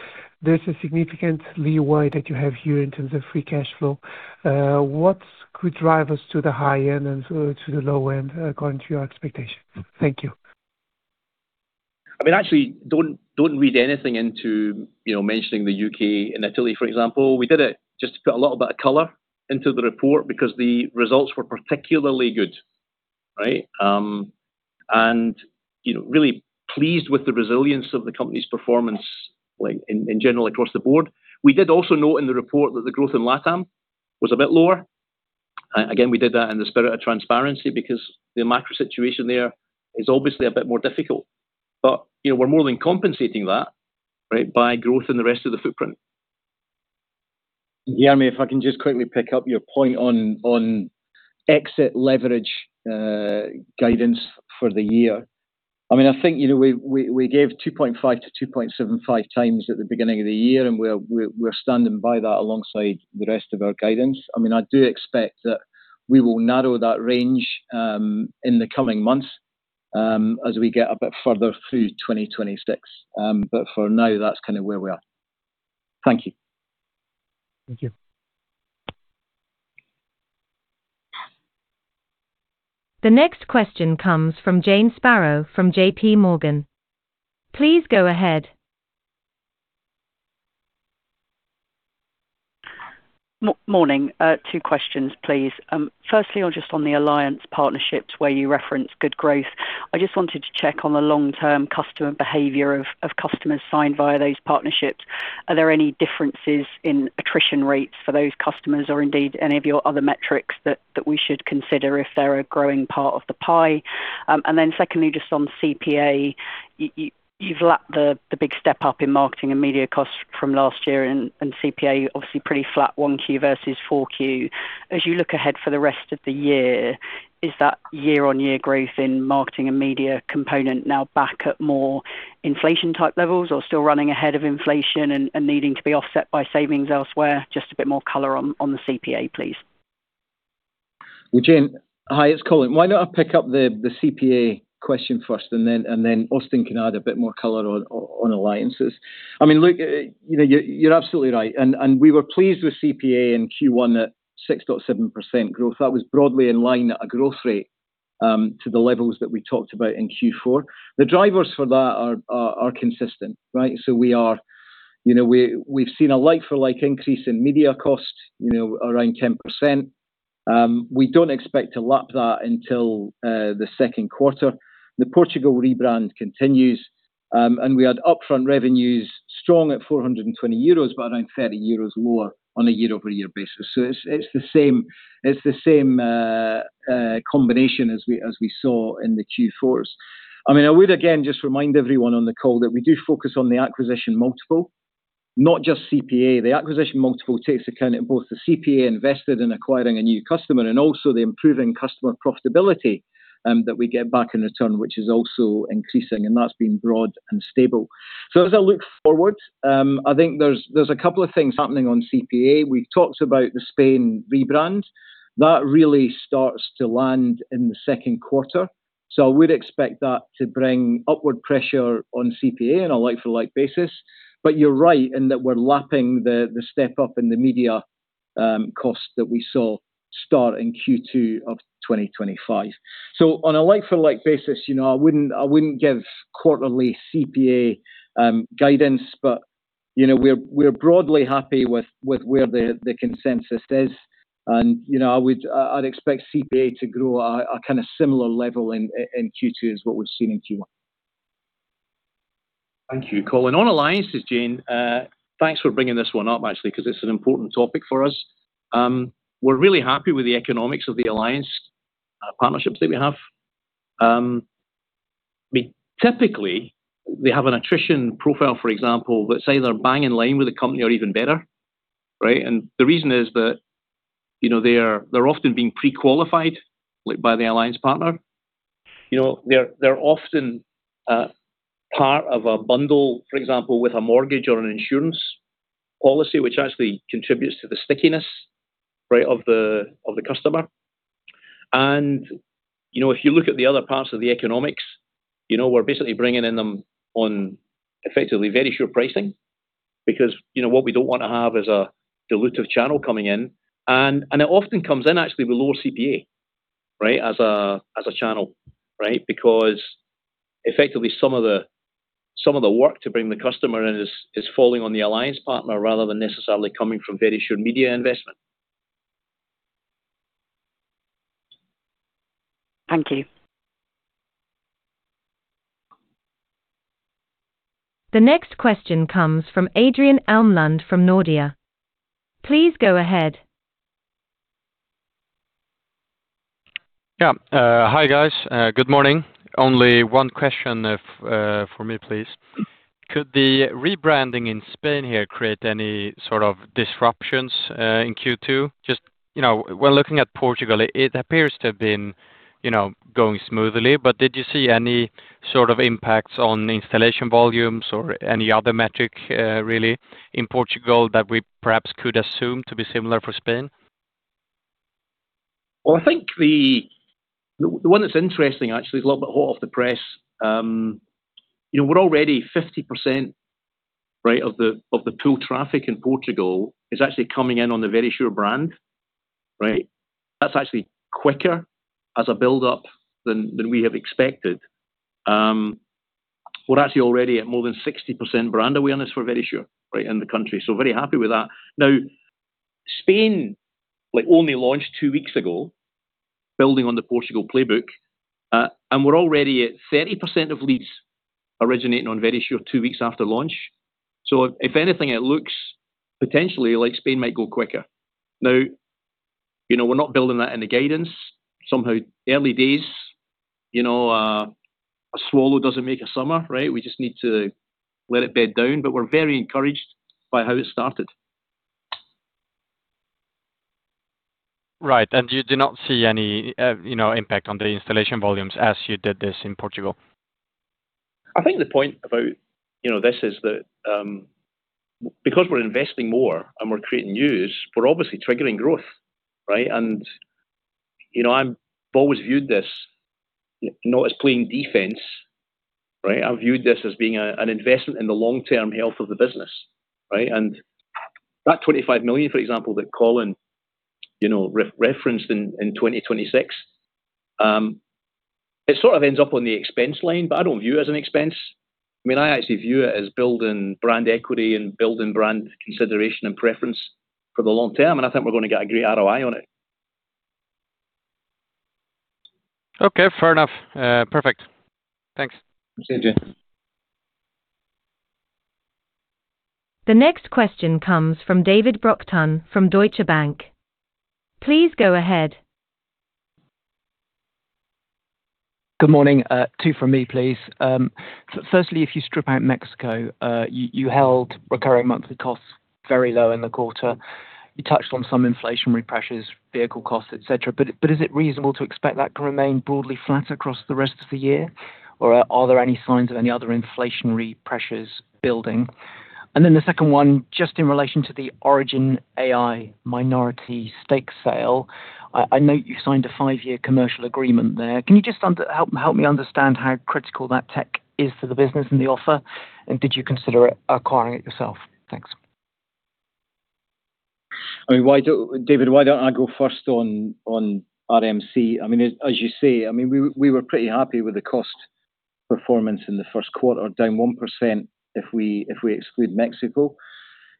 There's a significant leeway that you have here in terms of free cash flow. What could drive us to the high end and to the low end, according to your expectations? Thank you. I mean, actually don't read anything into, you know, mentioning the U.K. and Italy, for example. We did it just to put a little bit of color into the report because the results were particularly good. Right? You know, really pleased with the resilience of the company's performance, like in general across the board. We did also note in the report that the growth in LATAM was a bit lower. We did that in the spirit of transparency because the macro situation there is obviously a bit more difficult. You know, we're more than compensating that, right, by growth in the rest of the footprint. Guilherme, if I can just quickly pick up your point on exit leverage guidance for the year. I mean, I think, you know, we gave 2.5x to 2.75x at the beginning of the year, we're standing by that alongside the rest of our guidance. I mean, I do expect that we will narrow that range in the coming months, as we get a bit further through 2026. For now, that's kind of where we are. Thank you. Thank you. The next question comes from Jane Sparrow from JPMorgan. Please go ahead. Morning. Two questions, please. Firstly, on just on the alliance partnerships where you reference good growth. I just wanted to check on the long-term customer behavior of customers signed via those partnerships. Are there any differences in attrition rates for those customers or indeed any of your other metrics that we should consider if they're a growing part of the pie? Secondly, just on CPA, you've lapped the big step-up in marketing and media costs from last year, and CPA is obviously pretty flat 1Q versus 4Q. As you look ahead for the rest of the year, is that year-on-year growth in marketing and media component now back at more inflation-type levels or still running ahead of inflation and needing to be offset by savings elsewhere? Just a bit more color on the CPA, please. Well, Jane, hi, it's Colin. Why don't I pick up the CPA question first, and then Austin can add a bit more color on alliances? I mean, look, you know, you're absolutely right. We were pleased with CPA in Q1 at 6.7% growth. That was broadly in line at a growth rate to the levels that we talked about in Q4. The drivers for that are consistent, right? We are, you know, we've seen a like-for-like increase in media cost, you know, around 10%. We don't expect to lap that until the second quarter. The Portugal rebrand continues, and we had upfront revenues strong at 420 euros, but around 30 euros lower on a year-over-year basis. It's the same combination as we saw in the Q4s. I mean, I would again just remind everyone on the call that we do focus on the acquisition multiple, not just CPA. The acquisition multiple takes account in both the CPA invested in acquiring a new customer and also the improved customer profitability that we get back in return, which is also increasing, and that's been broad and stable. As I look forward, I think there's a couple of things happening on CPA. We've talked about the Spain rebrand. That really starts to land in the second quarter. I would expect that to bring upward pressure on CPA on a like-for-like basis. You're right in that we're lapping the step-up in the media cost that we saw start in Q2 of 2025. On a like-for-like basis, you know, I wouldn't, I wouldn't give quarterly CPA guidance. You know, we're broadly happy with where the consensus is. You know, I'd expect CPA to grow a kind of similar level in Q2 as what we've seen in Q1. Thank you, Colin. On alliances, Jane, thanks for bringing this one up, actually, 'cause it's an important topic for us. We're really happy with the economics of the alliance partnerships that we have. I mean, typically, they have an attrition profile, for example, that's either bang in line with the company or even better, right? The reason is that, you know, they're often being pre-qualified, like by the alliance partner. You know, they're often part of a bundle, for example, with a mortgage or an insurance policy, which actually contributes to the stickiness, right, of the customer. You know, if you look at the other parts of the economics, you know, we're basically bringing in them on effectively Verisure pricing because, you know, what we don't wanna have is a dilutive channel coming in. It often comes in actually with lower CPA, right, as a channel, right? Because effectively, some of the work to bring the customer in is falling on the alliance partner rather than necessarily coming from Verisure media investment. Thank you. The next question comes from Adrian Almlund from Nordea. Please go ahead. Yeah, hi guys. Good morning. Only one question if for me, please. Could the rebranding in Spain here create any sort of disruptions in Q2? Just, you know, when looking at Portugal, it appears to have been, you know, going smoothly. Did you see any sort of impacts on installation volumes or any other metric, really, in Portugal that we perhaps could assume to be similar for Spain? Well, I think the one that's interesting actually is a little bit hot off the press. You know, we're already 50%, right, of the pool traffic in Portugal is actually coming in on the Verisure brand, right? That's actually quicker as a build-up than we have expected. We're actually already at more than 60% brand awareness for Verisure, right, in the country. So very happy with that. Spain, like only launched two weeks ago, is building on the Portugal playbook. We're already at 30% of leads originating on Verisure two weeks after launch. If anything, it looks potentially like Spain might go quicker. Now, you know, we're not building that in the guidance. Somehow early days, you know, a swallow doesn't make a summer, right? We just need to let it bed down, but we're very encouraged by how it started. Right. You do not see any, you know, impact on the installation volumes as you did this in Portugal? I think the point about, you know, this is that, because we're investing more and we're creating news, we're obviously triggering growth, right? You know, I've always viewed this not as playing defense, right? I've viewed this as being an investment in the long-term health of the business, right? That 25 million, for example, that Colin, you know, referenced in 2026, it sort of ends up on the expense line, but I don't view it as an expense. I mean, I actually view it as building brand equity and building brand consideration and preference for the long term, and I think we're gonna get a great ROI on it. Okay. Fair enough. Perfect. Thanks. Thanks, Adrian. The next question comes from David Brockton from Deutsche Bank. Please go ahead. Good morning. Two from me, please. Firstly, if you strip out Mexico, you held recurring monthly costs very low in the quarter. You touched on some inflationary pressures, vehicle costs, et cetera. Is it reasonable to expect that to remain broadly flat across the rest of the year, or are there any signs of any other inflationary pressures building? The second one, just in relation to the Origin Wireless minority stake sale, I note you signed a five-year commercial agreement there. Can you just help me understand how critical that tech is to the business and the offer? Did you consider acquiring it yourself? Thanks. David, why don't I go first on RMC? As you say, I mean, we were pretty happy with the cost performance in the first quarter, down 1% if we exclude Mexico.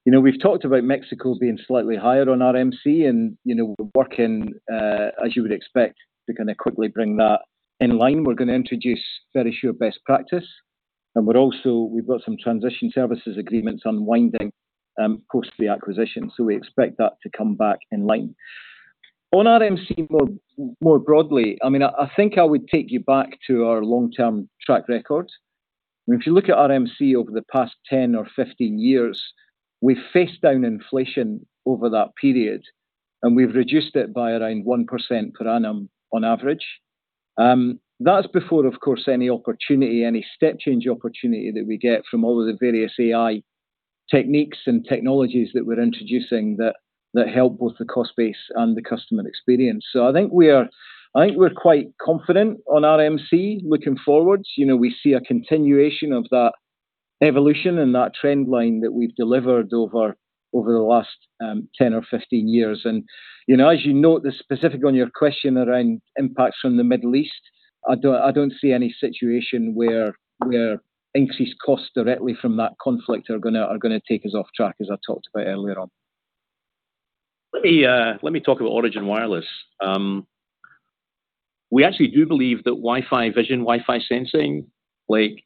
You know, we've talked about Mexico being slightly higher on RMC, and you know, we're working, as you would expect, to kinda quickly bring that in line. We're gonna introduce Verisure's best practice, and we've got some transition services agreements unwinding, post the acquisition, so we expect that to come back in line. On RMC more broadly, I mean, I think I would take you back to our long-term track record. I mean, if you look at RMC over the past 10 or 15 years, we've faced down inflation over that period, and we've reduced it by around 1% per annum on average. That's before, of course, any opportunity, any step change opportunity that we get from all of the various AI techniques and technologies that we're introducing that help both the cost base and the customer experience. I think we're quite confident on RMC looking forward. You know, we see a continuation of that evolution and that trend line that we've delivered over the last 10 or 15 years. You know, as you note the specifics of your question around impacts from the Middle East, I don't see any situation where increased costs directly from that conflict are going to take us off track, as I talked about earlier on. Let me talk about Origin Wireless. We actually do believe that Wi-Fi Sensing like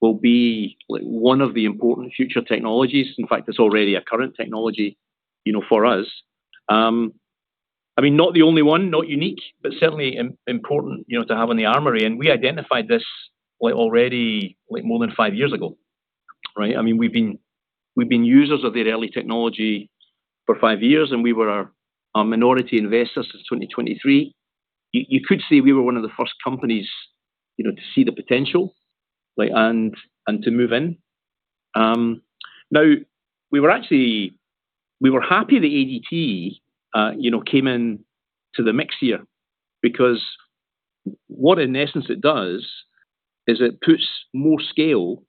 will be like one of the important future technologies. It's already a current technology, you know, for us. I mean, not the only one, not unique, but certainly important, you know, to have in the armory. We identified this like already like, more than five years ago, right? I mean, we've been users of their early technology for five years, and we were a minority investor since 2023. You could say we were one of the first companies, you know, to see the potential, like, and to move in. Now we were happy that ADT, you know, came into the mix here because what, in essence, it does is it puts more scale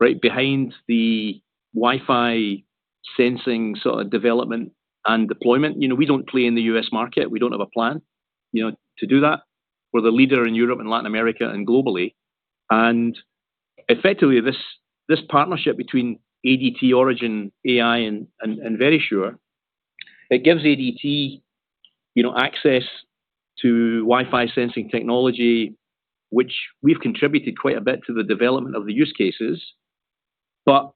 right behind the Wi-Fi Sensing sort of development and deployment. You know, we don't play in the U.S. market. We don't have a plan, you know, to do that. We're the leader in Europe, and Latin America, and globally. Effectively, this partnership between ADT Origin AI and Verisure, it gives ADT, you know, access to Wi-Fi Sensing technology, which we've contributed quite a bit to the development of the use cases, but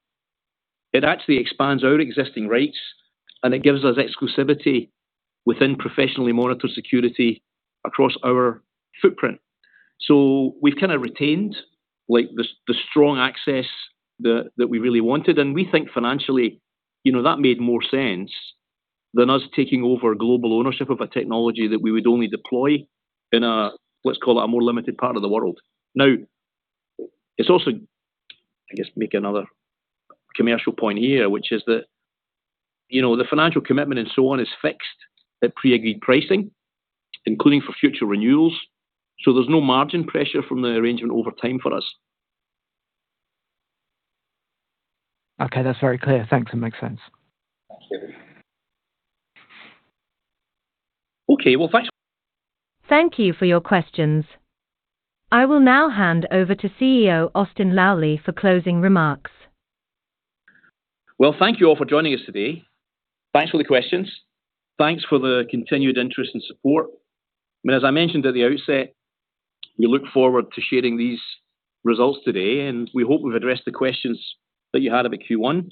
it actually expands our existing rates, and it gives us exclusivity within professionally monitored security across our footprint. We've kind of retained like the strong access that we really wanted. We think financially, you know, that made more sense than us taking over global ownership of a technology that we would only deploy in a, let's call it, a more limited part of the world. No, it wasn't. Make another commercial point here, which is that, you know, the financial commitment and so on is fixed at pre-agreed pricing, including for future renewals. There's no margin pressure from the arrangement over time for us. Okay. That's very clear. Thanks. That makes sense. Absolutely. Okay. Thanks. Thank you for your questions. I will now hand over to CEO Austin Lally for closing remarks. Well, thank you all for joining us today. Thanks for the questions. Thanks for the continued interest and support. I mean, as I mentioned at the outset, we look forward to sharing these results today, and we hope we've addressed the questions that you had about Q1.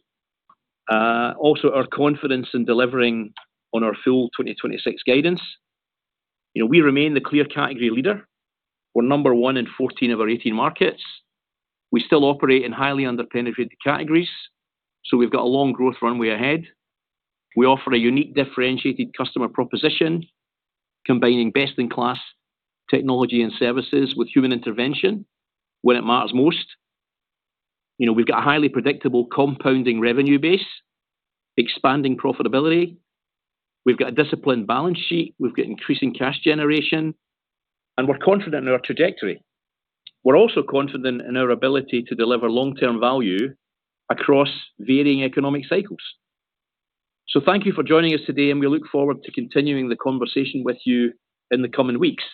Also, our confidence in delivering on our full 2026 guidance. You know, we remain the clear category leader. We're number one in 14 of our 18 markets. We still operate in highly under-penetrated categories. We've got a long growth runway ahead. We offer a unique differentiated customer proposition, combining best-in-class technology and services with human intervention when it matters most. You know, we've got a highly predictable compounding revenue base, expanding profitability. We've got a disciplined balance sheet. We've got increasing cash generation. We're confident in our trajectory. We're also confident in our ability to deliver long-term value across varying economic cycles. Thank you for joining us today, and we look forward to continuing the conversation with you in the coming weeks.